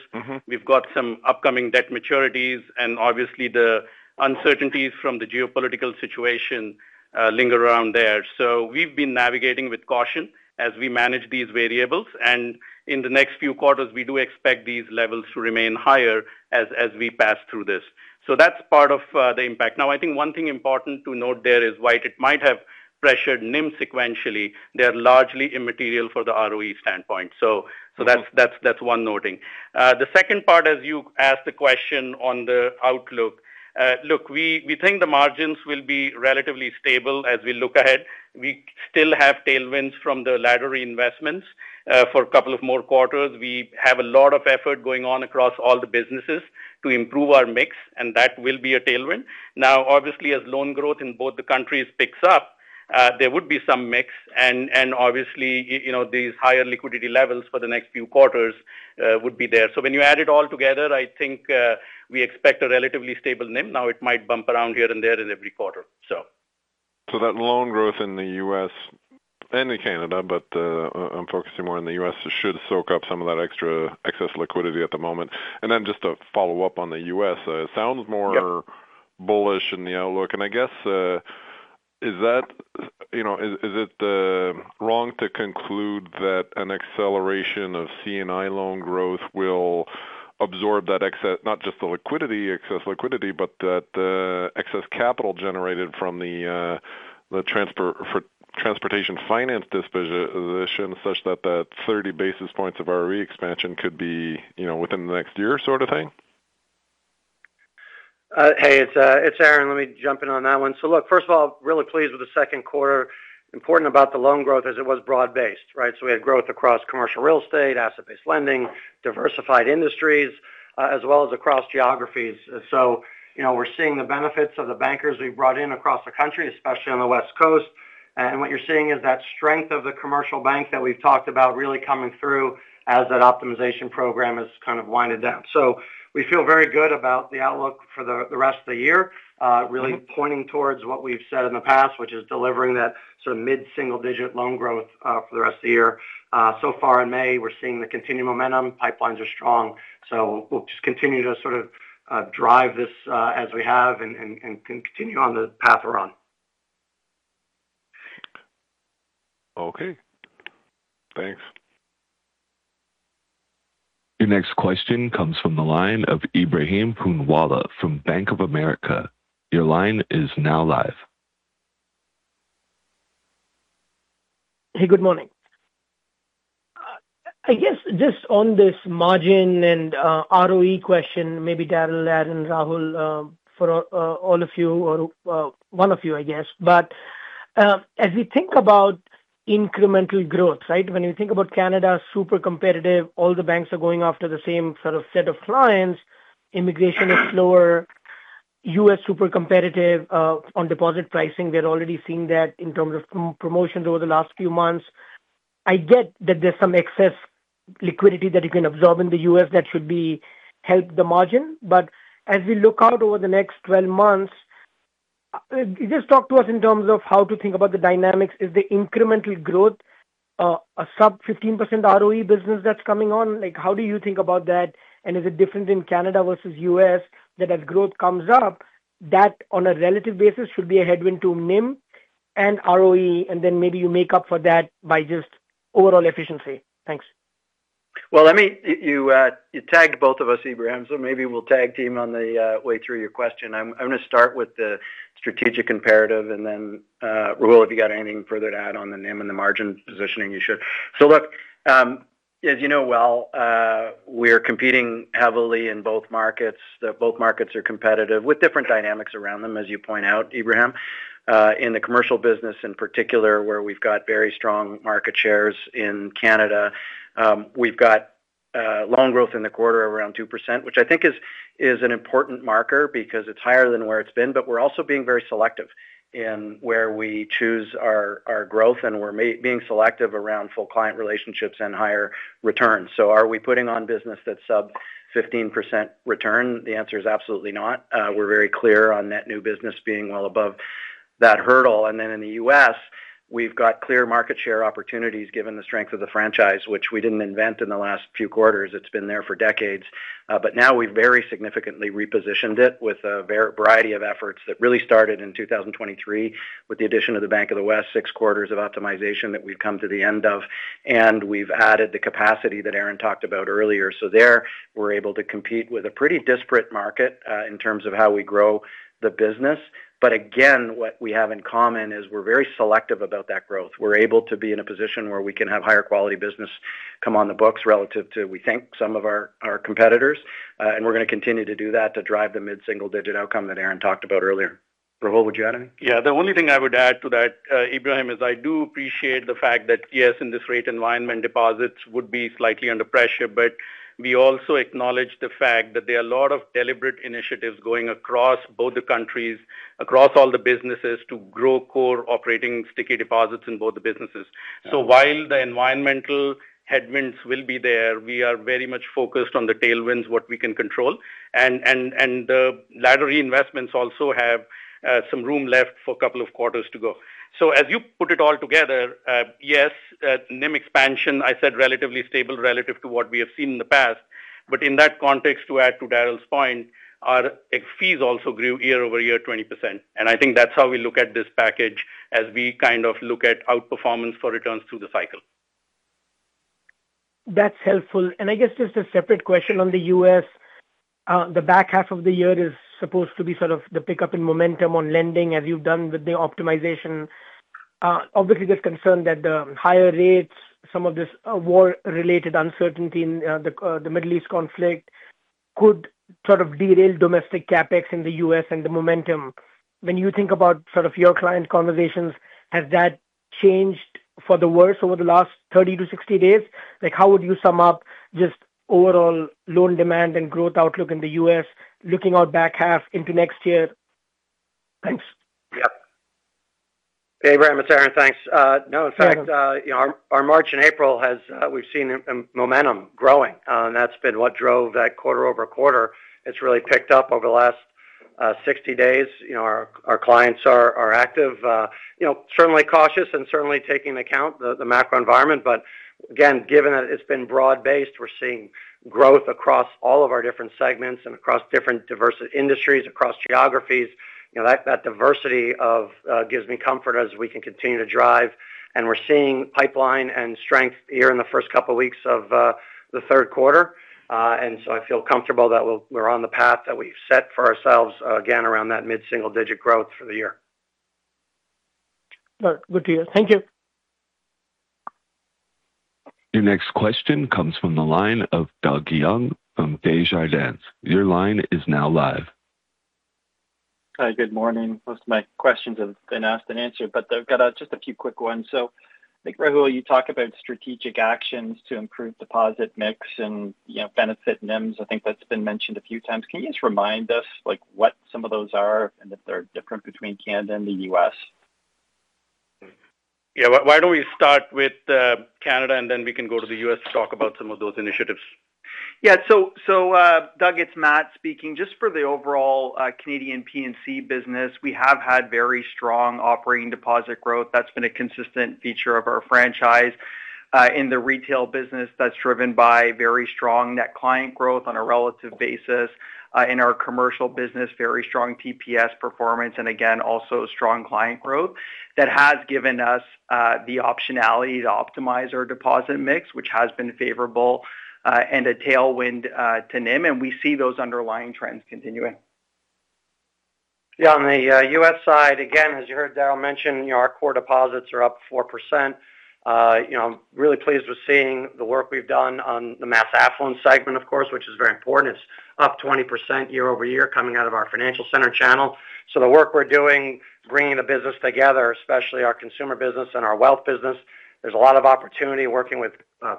Speaker 4: We've got some upcoming debt maturities and obviously the uncertainties from the geopolitical situation linger around there. We've been navigating with caution as we manage these variables. In the next few quarters, we do expect these levels to remain higher as we pass through this. That's part of the impact. I think one thing important to note there is while it might have pressured NIM sequentially, they're largely immaterial for the ROE standpoint. That's one noting. The second part is you asked the question on the outlook. We think the margins will be relatively stable as we look ahead. We still have tailwinds from the ladder reinvestments for a couple of more quarters. We have a lot of effort going on across all the businesses to improve our mix, and that will be a tailwind. Obviously, as loan growth in both the countries picks up, there would be some mix and obviously, these higher liquidity levels for the next few quarters would be there. When you add it all together, I think we expect a relatively stable NIM. It might bump around here and there in every quarter.
Speaker 9: That loan growth in the U.S. and in Canada, but I'm focusing more on the U.S. should soak up some of that excess liquidity at the moment. Then just to follow up on the U.S.
Speaker 4: Yep
Speaker 9: it sounds more bullish in the outlook. I guess, is it wrong to conclude that an acceleration of C&I loan growth will absorb not just the excess liquidity, but that excess capital generated from the transportation finance disposition such that that 30 basis points of ROE expansion could be within the next year sort of thing?
Speaker 10: Hey, it's Aron. Let me jump in on that one. Look, first of all, really pleased with the second quarter. Important about the loan growth as it was broad-based, right? We had growth across commercial real estate, asset-based lending, diversified industries, as well as across geographies. We're seeing the benefits of the bankers we've brought in across the country, especially on the West Coast. What you're seeing is that strength of the commercial bank that we've talked about really coming through as that optimization program has kind of wound down. We feel very good about the outlook for the rest of the year. really pointing towards what we've said in the past, which is delivering that sort of mid-single-digit loan growth for the rest of the year. Far in May, we're seeing the continued momentum. Pipelines are strong. We'll just continue to sort of drive this as we have and continue on the path we're on.
Speaker 9: Okay. Thanks.
Speaker 1: Your next question comes from the line of Ebrahim Poonawala from Bank of America. Your line is now live.
Speaker 11: Hey, good morning. I guess just on this margin and ROE question, maybe Darryl, Aron, Rahul, for all of you or one of you, I guess. As we think about incremental growth, right? When you think about Canada, super competitive, all the banks are going after the same sort of set of clients. Immigration is slower, U.S. super competitive on deposit pricing. We're already seeing that in terms of promotions over the last few months. I get that there's some excess liquidity that you can absorb in the U.S. that should help the margin. As we look out over the next 12 months, just talk to us in terms of how to think about the dynamics. Is the incremental growth a sub 15% ROE business that's coming on? How do you think about that? Is it different in Canada versus U.S. that as growth comes up, that on a relative basis should be a headwind to NIM and ROE, and then maybe you make up for that by just overall efficiency? Thanks.
Speaker 3: Well, you tagged both of us, Ebrahim, so maybe we'll tag team on the way through your question. I'm going to start with the strategic imperative and then Rahul if you got anything further to add on the NIM and the margin positioning, you should. Look, as you know well we're competing heavily in both markets. Both markets are competitive with different dynamics around them, as you point out, Ebrahim. In the Commercial business in particular, where we've got very strong market shares in Canada. We've got loan growth in the quarter around 2%, which I think is an important marker because it's higher than where it's been, but we're also being very selective in where we choose our growth, and we're being selective around full client relationships and higher returns. Are we putting on business that's sub 15% return? The answer is absolutely not. We're very clear on net new business being well above that hurdle. In the U.S., we've got clear market share opportunities given the strength of the franchise, which we didn't invent in the last few quarters. It's been there for decades. Now we've very significantly repositioned it with a variety of efforts that really started in 2023 with the addition of the Bank of the West, six quarters of optimization that we've come to the end of, and we've added the capacity that Aron talked about earlier. There we're able to compete with a pretty disparate market in terms of how we grow the business. Again, what we have in common is we're very selective about that growth. We're able to be in a position where we can have higher quality business come on the books relative to, we think, some of our competitors. We're going to continue to do that to drive the mid-single-digit outcome that Aron talked about earlier. Rahul, would you add anything?
Speaker 4: The only thing I would add to that, Ebrahim, is I do appreciate the fact that yes, in this rate environment deposits would be slightly under pressure, but we also acknowledge the fact that there are a lot of deliberate initiatives going across both the countries, across all the businesses to grow core operating sticky deposits in both the businesses. While the environmental headwinds will be there, we are very much focused on the tailwinds, what we can control. The latter reinvestments also have some room left for a couple of quarters to go. As you put it all together, yes, NIM expansion, I said relatively stable relative to what we have seen in the past. In that context to add to Darryl's point, our fees also grew year-over-year 20%. I think that's how we look at this package as we kind of look at outperformance for returns through the cycle.
Speaker 11: That's helpful. I guess just a separate question on the U.S., the back half of the year is supposed to be sort of the pickup in momentum on lending as you've done with the optimization. Obviously, there's concern that the higher rates, some of this war-related uncertainty in the Middle East conflict could sort of derail domestic CapEx in the U.S. and the momentum. When you think about your client conversations, has that changed for the worse over the last 30 to 60 days? How would you sum up just overall loan demand and growth outlook in the U.S. looking out back half into next year? Thanks.
Speaker 10: Yep. Hey, Ebrahim, it's Aron. Thanks. No. In fact, our March and April we've seen momentum growing. That's been what drove that quarter-over-quarter. It's really picked up over the last 60 days. Our clients are active. Certainly cautious and certainly taking account the macro environment. Again, given that it's been broad-based, we're seeing growth across all of our different segments and across different diverse industries, across geographies. That diversity gives me comfort as we can continue to drive. We're seeing pipeline and strength here in the first couple of weeks of the third quarter. I feel comfortable that we're on the path that we've set for ourselves, again, around that mid-single-digit growth for the year.
Speaker 11: All right. Good to hear. Thank you.
Speaker 1: Your next question comes from the line of Doug Young from Desjardins. Your line is now live.
Speaker 12: Hi. Good morning. Most of my questions have been asked and answered, but I've got just a few quick ones. I think, Rahul, you talk about strategic actions to improve deposit mix and benefit NIMs. I think that's been mentioned a few times. Can you just remind us what some of those are and if they're different between Canada and the U.S.?
Speaker 4: Yeah. Why don't we start with Canada, and then we can go to the U.S. to talk about some of those initiatives.
Speaker 13: Doug, it's Mat speaking. Just for the overall Canadian P&C business, we have had very strong operating deposit growth. That's been a consistent feature of our franchise. In the retail business, that's driven by very strong net client growth on a relative basis. In our commercial business, very strong TPS performance, and again, also strong client growth. That has given us the optionality to optimize our deposit mix, which has been favorable and a tailwind to NIM, and we see those underlying trends continuing.
Speaker 10: On the U.S. side, again, as you heard Darryl mention, our core deposits are up 4%. Really pleased with seeing the work we've done on the Mass Affluent segment, of course, which is very important. It's up 20% year-over-year coming out of our financial center channel. The work we're doing bringing the business together, especially our consumer business and our wealth business, there's a lot of opportunity working with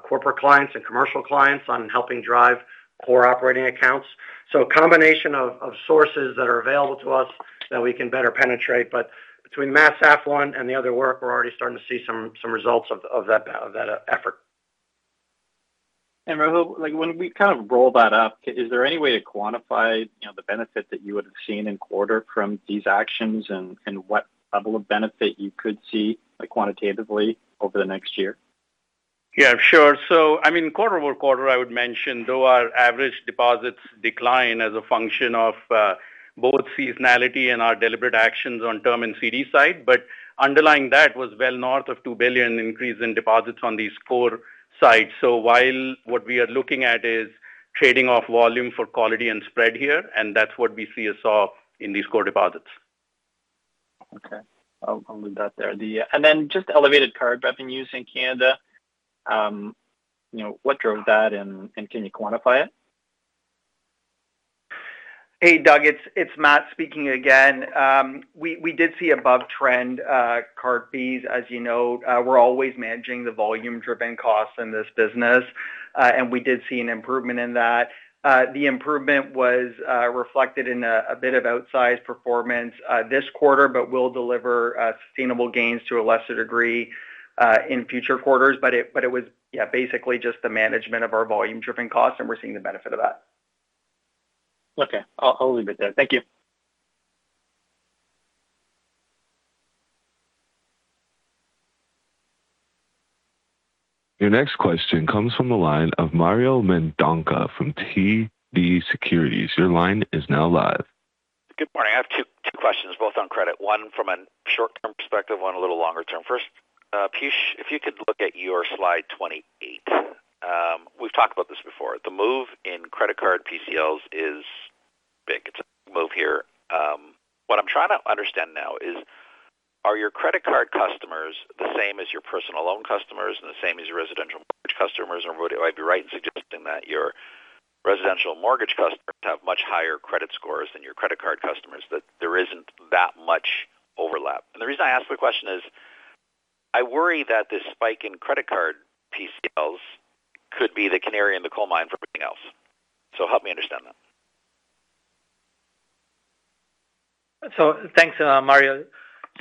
Speaker 10: corporate clients and commercial clients on helping drive core operating accounts. A combination of sources that are available to us that we can better penetrate. Between Mass Affluent and the other work, we're already starting to see some results of that effort.
Speaker 12: Rahul, when we kind of roll that up, is there any way to quantify the benefit that you would have seen in quarter from these actions and what level of benefit you could see quantitatively over the next year?
Speaker 4: Yeah, sure. I mean, quarter-over-quarter, I would mention, though our average deposits decline as a function of both seasonality and our deliberate actions on term and CD side. Underlying that was well north of 2 billion increase in deposits on these core sides. While what we are looking at is trading off volume for quality and spread here, and that's what we saw in these core deposits.
Speaker 12: Okay. I'll leave that there. Just elevated card revenues in Canada, what drove that and can you quantify it?
Speaker 13: Hey, Doug, it's Mat speaking again. We did see above-trend card fees. As you know, we're always managing the volume-driven costs in this business. We did see an improvement in that. The improvement was reflected in a bit of outsized performance this quarter but will deliver sustainable gains to a lesser degree in future quarters. It was basically just the management of our volume-driven costs, and we're seeing the benefit of that.
Speaker 12: Okay. I'll leave it there. Thank you.
Speaker 1: Your next question comes from the line of Mario Mendonca from TD Securities. Your line is now live.
Speaker 14: Good morning. I have two questions, both on credit. One from a short-term perspective, one a little longer term. First, Piyush, if you could look at your slide 28. We've talked about this before. The move in credit card PCLs is big. It's a big move here. What I'm trying to understand now is, are your credit card customers the same as your personal loan customers and the same as your residential mortgage customers? Would I be right in suggesting that your residential mortgage customers have much higher credit scores than your credit card customers, that there isn't that much overlap? The reason I ask the question is I worry that this spike in credit card PCLs could be the canary in the coal mine for everything else. Help me understand that.
Speaker 5: Thanks, Mario.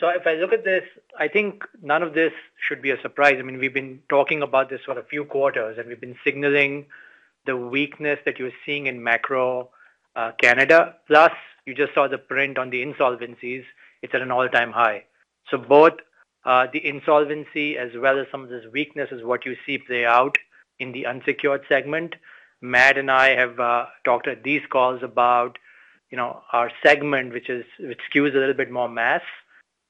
Speaker 5: If I look at this, I think none of this should be a surprise. I mean, we've been talking about this for a few quarters, and we've been signaling the weakness that you're seeing in macro Canada. Plus, you just saw the print on the insolvencies. It's at an all-time high. Both the insolvency as well as some of this weakness is what you see play out in the unsecured segment. Matt and I have talked at these calls about our segment, which skews a little bit more Mass Affluent,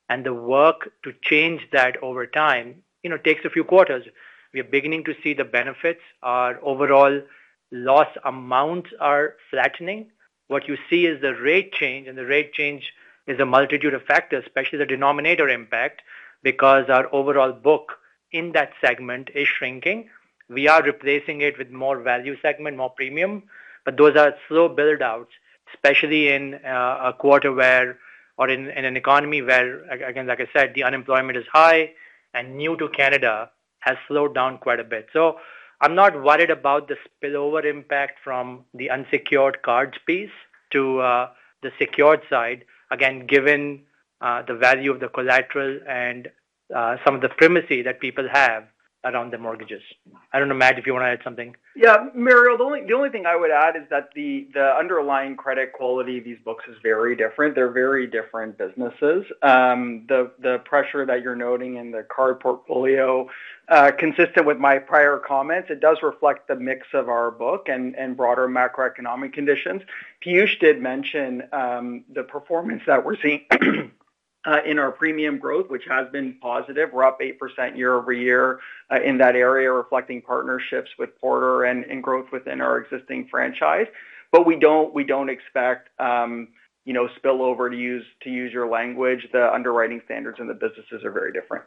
Speaker 5: and the work to change that over time takes a few quarters. We are beginning to see the benefits. Our overall loss amounts are flattening. What you see is the rate change, and the rate change is a multitude of factors, especially the denominator impact, because our overall book in that segment is shrinking. We are replacing it with more value segment, more premium, but those are slow build-outs, especially in a quarter where, or in an economy where, again, like I said, the unemployment is high and new to Canada has slowed down quite a bit. I'm not worried about the spillover impact from the unsecured cards piece to the secured side, again, given the value of the collateral and some of the primacy that people have around the mortgages. I don't know, Matt, if you want to add something.
Speaker 13: Yeah. Mario, the only thing I would add is that the underlying credit quality of these books is very different. They're very different businesses. The pressure that you're noting in the card portfolio, consistent with my prior comments, it does reflect the mix of our book and broader macroeconomic conditions. Piyush did mention the performance that we're seeing in our premium growth, which has been positive. We're up 8% year-over-year in that area, reflecting partnerships with Porter and growth within our existing franchise. We don't expect spillover, to use your language. The underwriting standards in the businesses are very different.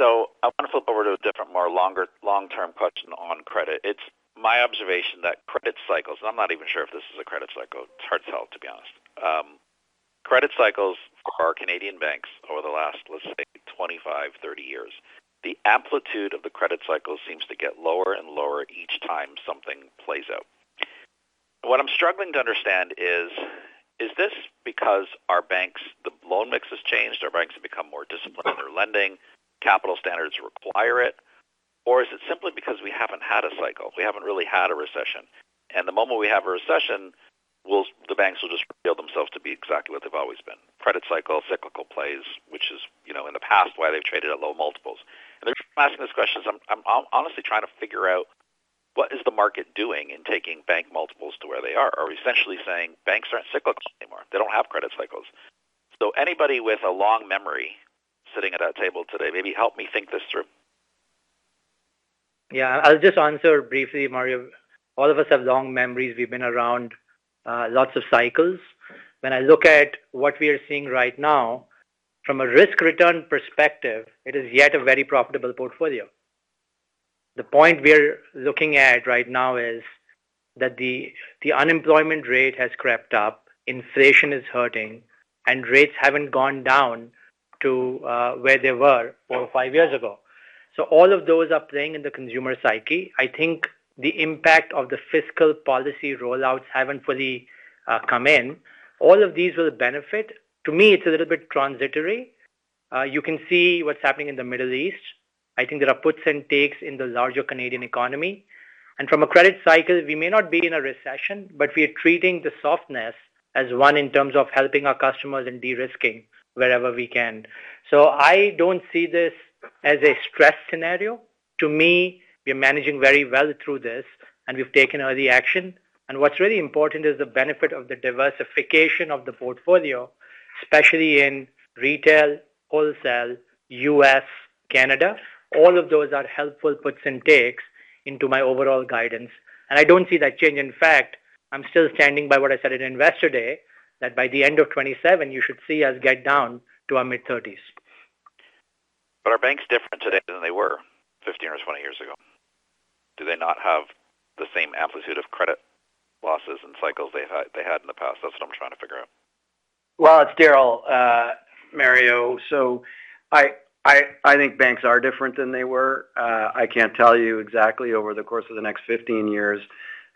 Speaker 14: I want to flip over to a different, more long-term question on credit. It's my observation that credit cycles, and I'm not even sure if this is a credit cycle. It's hard to tell, to be honest. Credit cycles for our Canadian banks over the last, let's say, 25, 30 years. The amplitude of the credit cycle seems to get lower and lower each time something plays out. What I'm struggling to understand is this because our banks, the loan mix has changed, our banks have become more disciplined in their lending, capital standards require it, or is it simply because we haven't had a cycle? We haven't really had a recession. The moment we have a recession, the banks will just reveal themselves to be exactly what they've always been. Credit cycle, cyclical plays, which is, in the past why they've traded at low multiples. The reason I'm asking this question is I'm honestly trying to figure out what is the market doing in taking bank multiples to where they are? Are we essentially saying banks aren't cyclical anymore? They don't have credit cycles. Anybody with a long memory sitting at that table today, maybe help me think this through.
Speaker 5: Yeah. I'll just answer briefly, Mario. All of us have long memories. We've been around lots of cycles. When I look at what we are seeing right now, from a risk-return perspective, it is yet a very profitable portfolio. The point we're looking at right now is that the unemployment rate has crept up, inflation is hurting, and rates haven't gone down to where they were four or five years ago. All of those are playing in the consumer psyche. I think the impact of the fiscal policy rollouts haven't fully come in. All of these will benefit. To me, it's a little bit transitory. You can see what's happening in the Middle East. I think there are puts and takes in the larger Canadian economy. From a credit cycle, we may not be in a recession, but we are treating the softness as one in terms of helping our customers and de-risking wherever we can. I don't see this as a stress scenario. To me, we are managing very well through this, and we've taken early action. What's really important is the benefit of the diversification of the portfolio, especially in retail, wholesale, U.S., Canada. All of those are helpful puts and takes into my overall guidance, and I don't see that changing. In fact, I'm still standing by what I said at Investor Day, that by the end of 2027, you should see us get down to our mid-30s.
Speaker 14: Are banks different today than they were 15 or 20 years ago? Do they not have the same amplitude of credit losses and cycles they had in the past? That's what I'm trying to figure out.
Speaker 3: Well, it's Darryl, Mario. I think banks are different than they were. I can't tell you exactly over the course of the next 15 years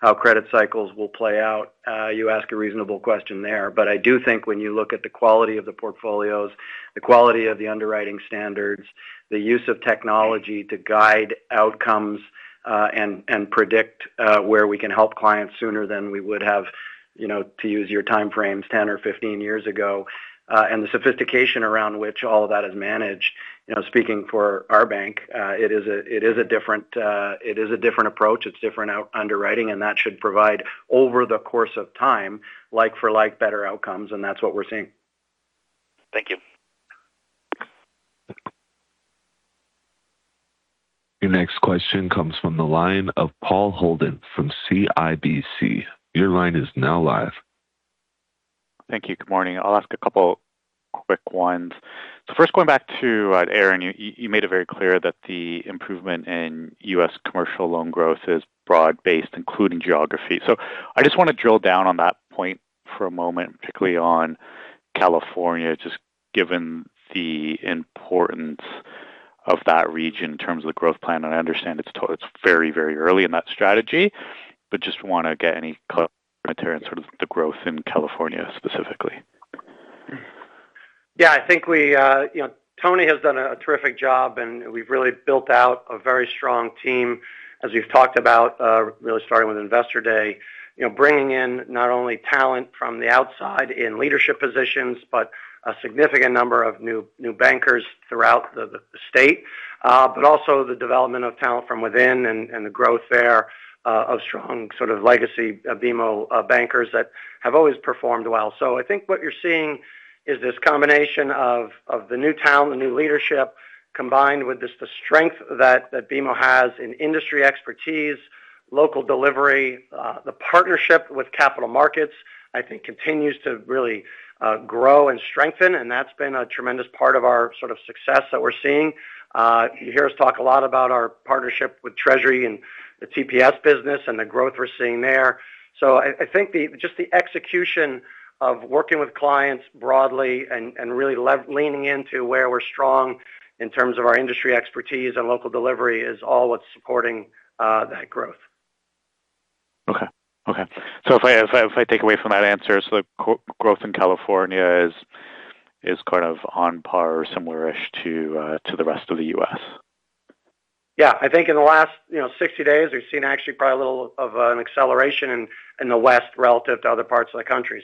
Speaker 3: how credit cycles will play out. You ask a reasonable question there. I do think when you look at the quality of the portfolios, the quality of the underwriting standards, the use of technology to guide outcomes, and predict where we can help clients sooner than we would have, to use your time frames, 10 or 15 years ago, and the sophistication around which all of that is managed, speaking for our bank, it is a different approach. It's different underwriting, and that should provide, over the course of time, like for like better outcomes, and that's what we're seeing.
Speaker 14: Thank you.
Speaker 1: Your next question comes from the line of Paul Holden from CIBC. Your line is now live.
Speaker 15: Thank you. Good morning. I'll ask a couple quick ones. First, going back to Aron, you made it very clear that the improvement in U.S. commercial loan growth is broad-based, including geography. I just want to drill down on that point for a moment, particularly on California, just given the importance of that region in terms of the growth plan. I understand it's very early in that strategy, but just want to get any color, material on sort of the growth in California specifically.
Speaker 10: Yeah, I think Tony has done a terrific job, and we've really built out a very strong team, as we've talked about, really starting with Investor Day. Bringing in not only talent from the outside in leadership positions, but a significant number of new bankers throughout the state. Also the development of talent from within and the growth there of strong sort of legacy of BMO bankers that have always performed well. I think what you're seeing is this combination of the new talent, the new leadership, combined with just the strength that BMO has in industry expertise, local delivery. The partnership with Capital Markets, I think continues to really grow and strengthen, and that's been a tremendous part of our sort of success that we're seeing. You hear us talk a lot about our partnership with Treasury and the TPS business and the growth we're seeing there. I think just the execution of working with clients broadly and really leaning into where we're strong in terms of our industry expertise and local delivery is all what's supporting that growth.
Speaker 15: Okay. If I take away from that answer, so the growth in California is kind of on par or similar-ish to the rest of the U.S.
Speaker 10: Yeah. I think in the last 60 days, we've seen actually probably a little of an acceleration in the West relative to other parts of the country.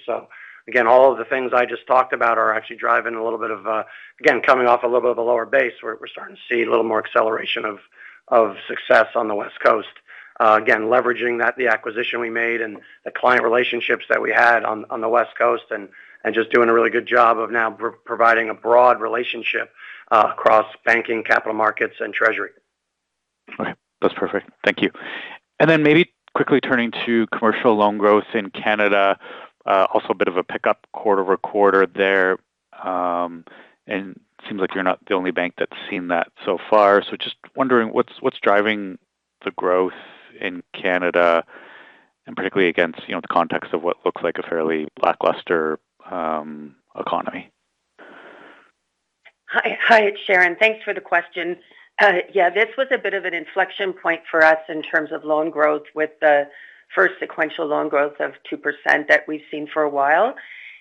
Speaker 10: Again, all of the things I just talked about are actually driving, again, coming off a little bit of a lower base, we're starting to see a little more acceleration of success on the West Coast. Again, leveraging that, the acquisition we made and the client relationships that we had on the West Coast and just doing a really good job of now providing a broad relationship across banking, capital markets, and treasury.
Speaker 15: Okay. That's perfect. Thank you. Maybe quickly turning to commercial loan growth in Canada. Also a bit of a pickup quarter-over-quarter there. Seems like you're not the only bank that's seen that so far. Just wondering, what's driving the growth in Canada and particularly against the context of what looks like a fairly lackluster economy?
Speaker 16: Hi, it's Sharon. Thanks for the question. Yeah, this was a bit of an inflection point for us in terms of loan growth with the first sequential loan growth of 2% that we've seen for a while.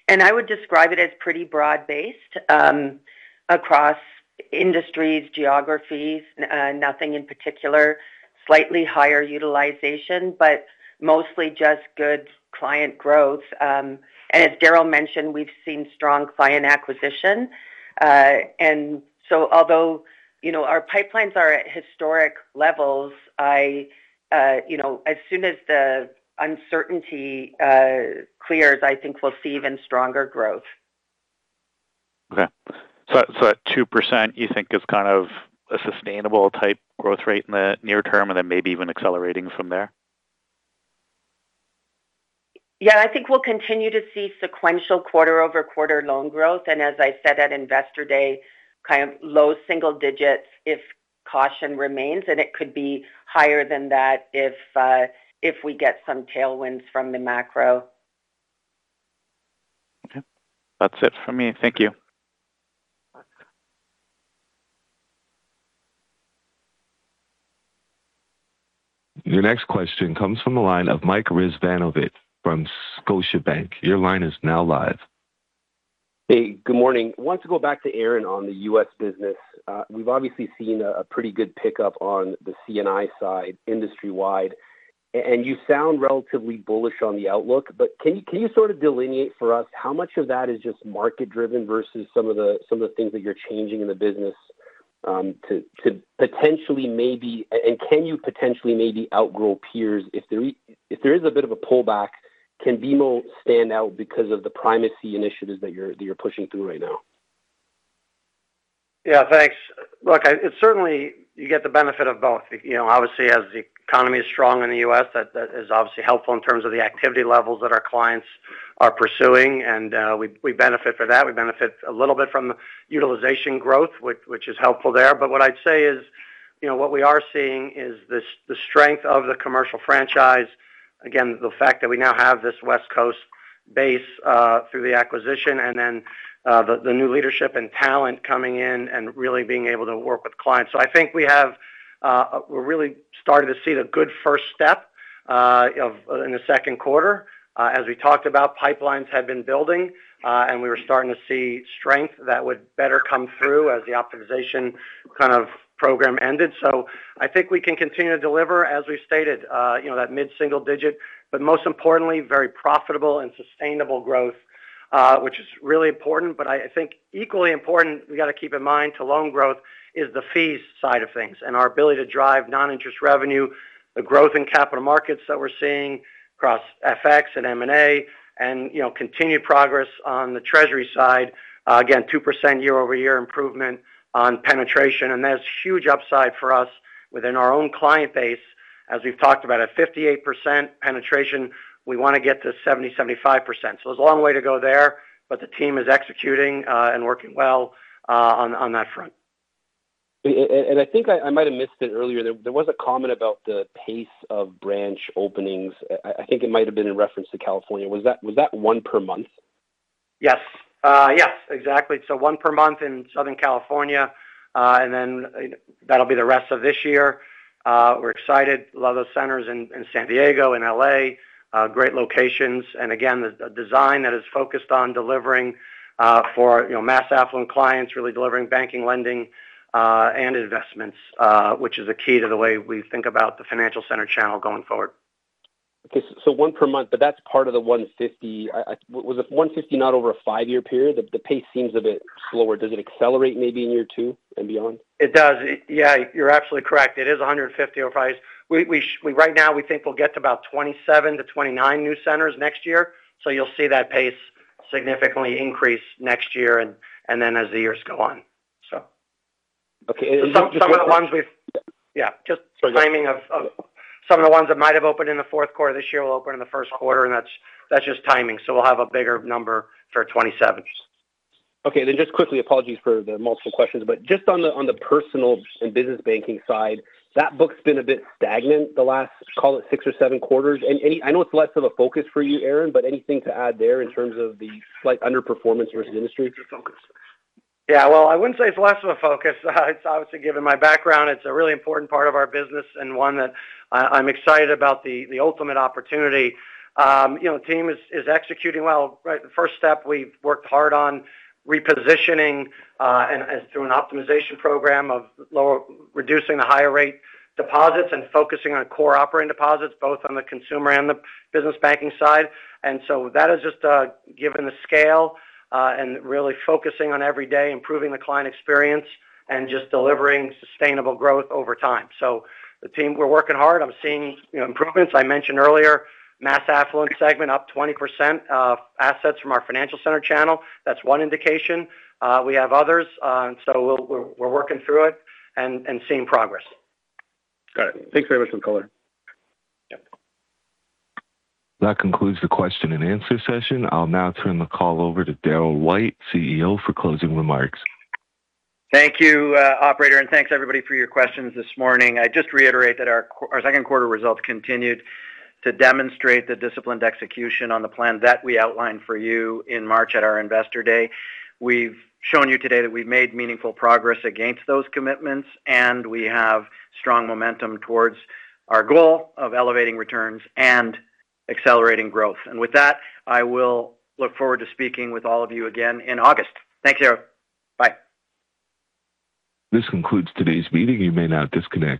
Speaker 16: I would describe it as pretty broad-based across industries, geographies, nothing in particular. Slightly higher utilization, but mostly just good client growth. As Darryl mentioned, we've seen strong client acquisition. Although our pipelines are at historic levels as soon as the uncertainty clears, I think we'll see even stronger growth.
Speaker 15: Okay. At 2%, you think is kind of a sustainable type growth rate in the near term and then maybe even accelerating from there?
Speaker 16: Yeah, I think we'll continue to see sequential quarter-over-quarter loan growth, and as I said at Investor Day, kind of low single-digits if caution remains, and it could be higher than that if we get some tailwinds from the macro.
Speaker 15: Okay. That's it from me. Thank you.
Speaker 1: Your next question comes from the line of Mike Rizvanovic from Scotiabank.
Speaker 17: Hey, good morning. I wanted to go back to Aron on the U.S. business. We've obviously seen a pretty good pickup on the C&I side industry-wide, and you sound relatively bullish on the outlook, but can you sort of delineate for us how much of that is just market-driven versus some of the things that you're changing in the business, and can you potentially maybe outgrow peers if there is a bit of a pullback, can BMO stand out because of the primacy initiatives that you're pushing through right now?
Speaker 10: Thanks. Look, it's certainly you get the benefit of both. Obviously, as the economy is strong in the U.S., that is obviously helpful in terms of the activity levels that our clients are pursuing, and we benefit for that. We benefit a little bit from the utilization growth, which is helpful there. What I'd say is, what we are seeing is the strength of the commercial franchise. The fact that we now have this West Coast base through the acquisition and then the new leadership and talent coming in and really being able to work with clients. I think we're really starting to see the good first step in the second quarter. As we talked about, pipelines have been building, and we were starting to see strength that would better come through as the optimization kind of program ended. I think we can continue to deliver, as we've stated that mid-single-digit, but most importantly, very profitable and sustainable growth which is really important. I think equally important, we got to keep in mind to loan growth is the fees side of things and our ability to drive non-interest revenue, the growth in Capital Markets that we're seeing across FX and M&A and continued progress on the treasury side. Again, 2% year-over-year improvement on penetration, and there's huge upside for us within our own client base. As we've talked about, at 58% penetration, we want to get to 70%-75%. There's a long way to go there, but the team is executing and working well on that front.
Speaker 17: I think I might have missed it earlier. There was a comment about the pace of branch openings. I think it might have been in reference to California. Was that one per month?
Speaker 10: Yes. Exactly. One per month in Southern California, that'll be the rest of this year. We're excited. A lot of those centers in San Diego and L.A. Great locations. Again, the design that is focused on delivering for Mass Affluent clients, really delivering banking, lending, and investments, which is a key to the way we think about the financial center channel going forward.
Speaker 17: One per month, but that's part of the 150. Was the 150 not over a five-year period? The pace seems a bit slower. Does it accelerate maybe in year two and beyond?
Speaker 10: It does. Yeah, you're absolutely correct. It is 150 over five. Right now, we think we'll get to about 27-29 new centers next year. You'll see that pace significantly increase next year and then as the years go on.
Speaker 17: Okay.
Speaker 10: Yeah. Just timing of some of the ones that might have opened in the fourth quarter this year will open in the first quarter, and that's just timing. We'll have a bigger number for 2027.
Speaker 17: Just quickly, apologies for the multiple questions, but just on the personal and business banking side, that book's been a bit stagnant the last, call it six or seven quarters. I know it's less of a focus for you, Aron, but anything to add there in terms of the slight underperformance versus industry?
Speaker 10: Yeah. Well, I wouldn't say it's less of a focus. Obviously, given my background, it's a really important part of our business and one that I'm excited about the ultimate opportunity. The team is executing well. The first step we've worked hard on repositioning through an optimization program of reducing the higher rate deposits and focusing on core operating deposits, both on the consumer and the business banking side. That is just given the scale and really focusing on every day improving the client experience and just delivering sustainable growth over time. The team, we're working hard. I'm seeing improvements. I mentioned earlier, Mass Affluent segment up 20% of assets from our financial center channel. That's one indication. We have others. We're working through it and seeing progress.
Speaker 17: Got it. Thanks very much for the color..
Speaker 10: Yep.
Speaker 1: That concludes the question-and-answer session. I'll now turn the call over to Darryl White, CEO, for closing remarks.
Speaker 3: Thank you, operator. Thanks, everybody for your questions this morning. I just reiterate that our second quarter results continued to demonstrate the disciplined execution on the plan that we outlined for you in March at our Investor Day. We've shown you today that we've made meaningful progress against those commitments, and we have strong momentum towards our goal of elevating returns and accelerating growth. With that, I will look forward to speaking with all of you again in August. Thanks, you. Bye.
Speaker 1: This concludes today's meeting. You may now disconnect.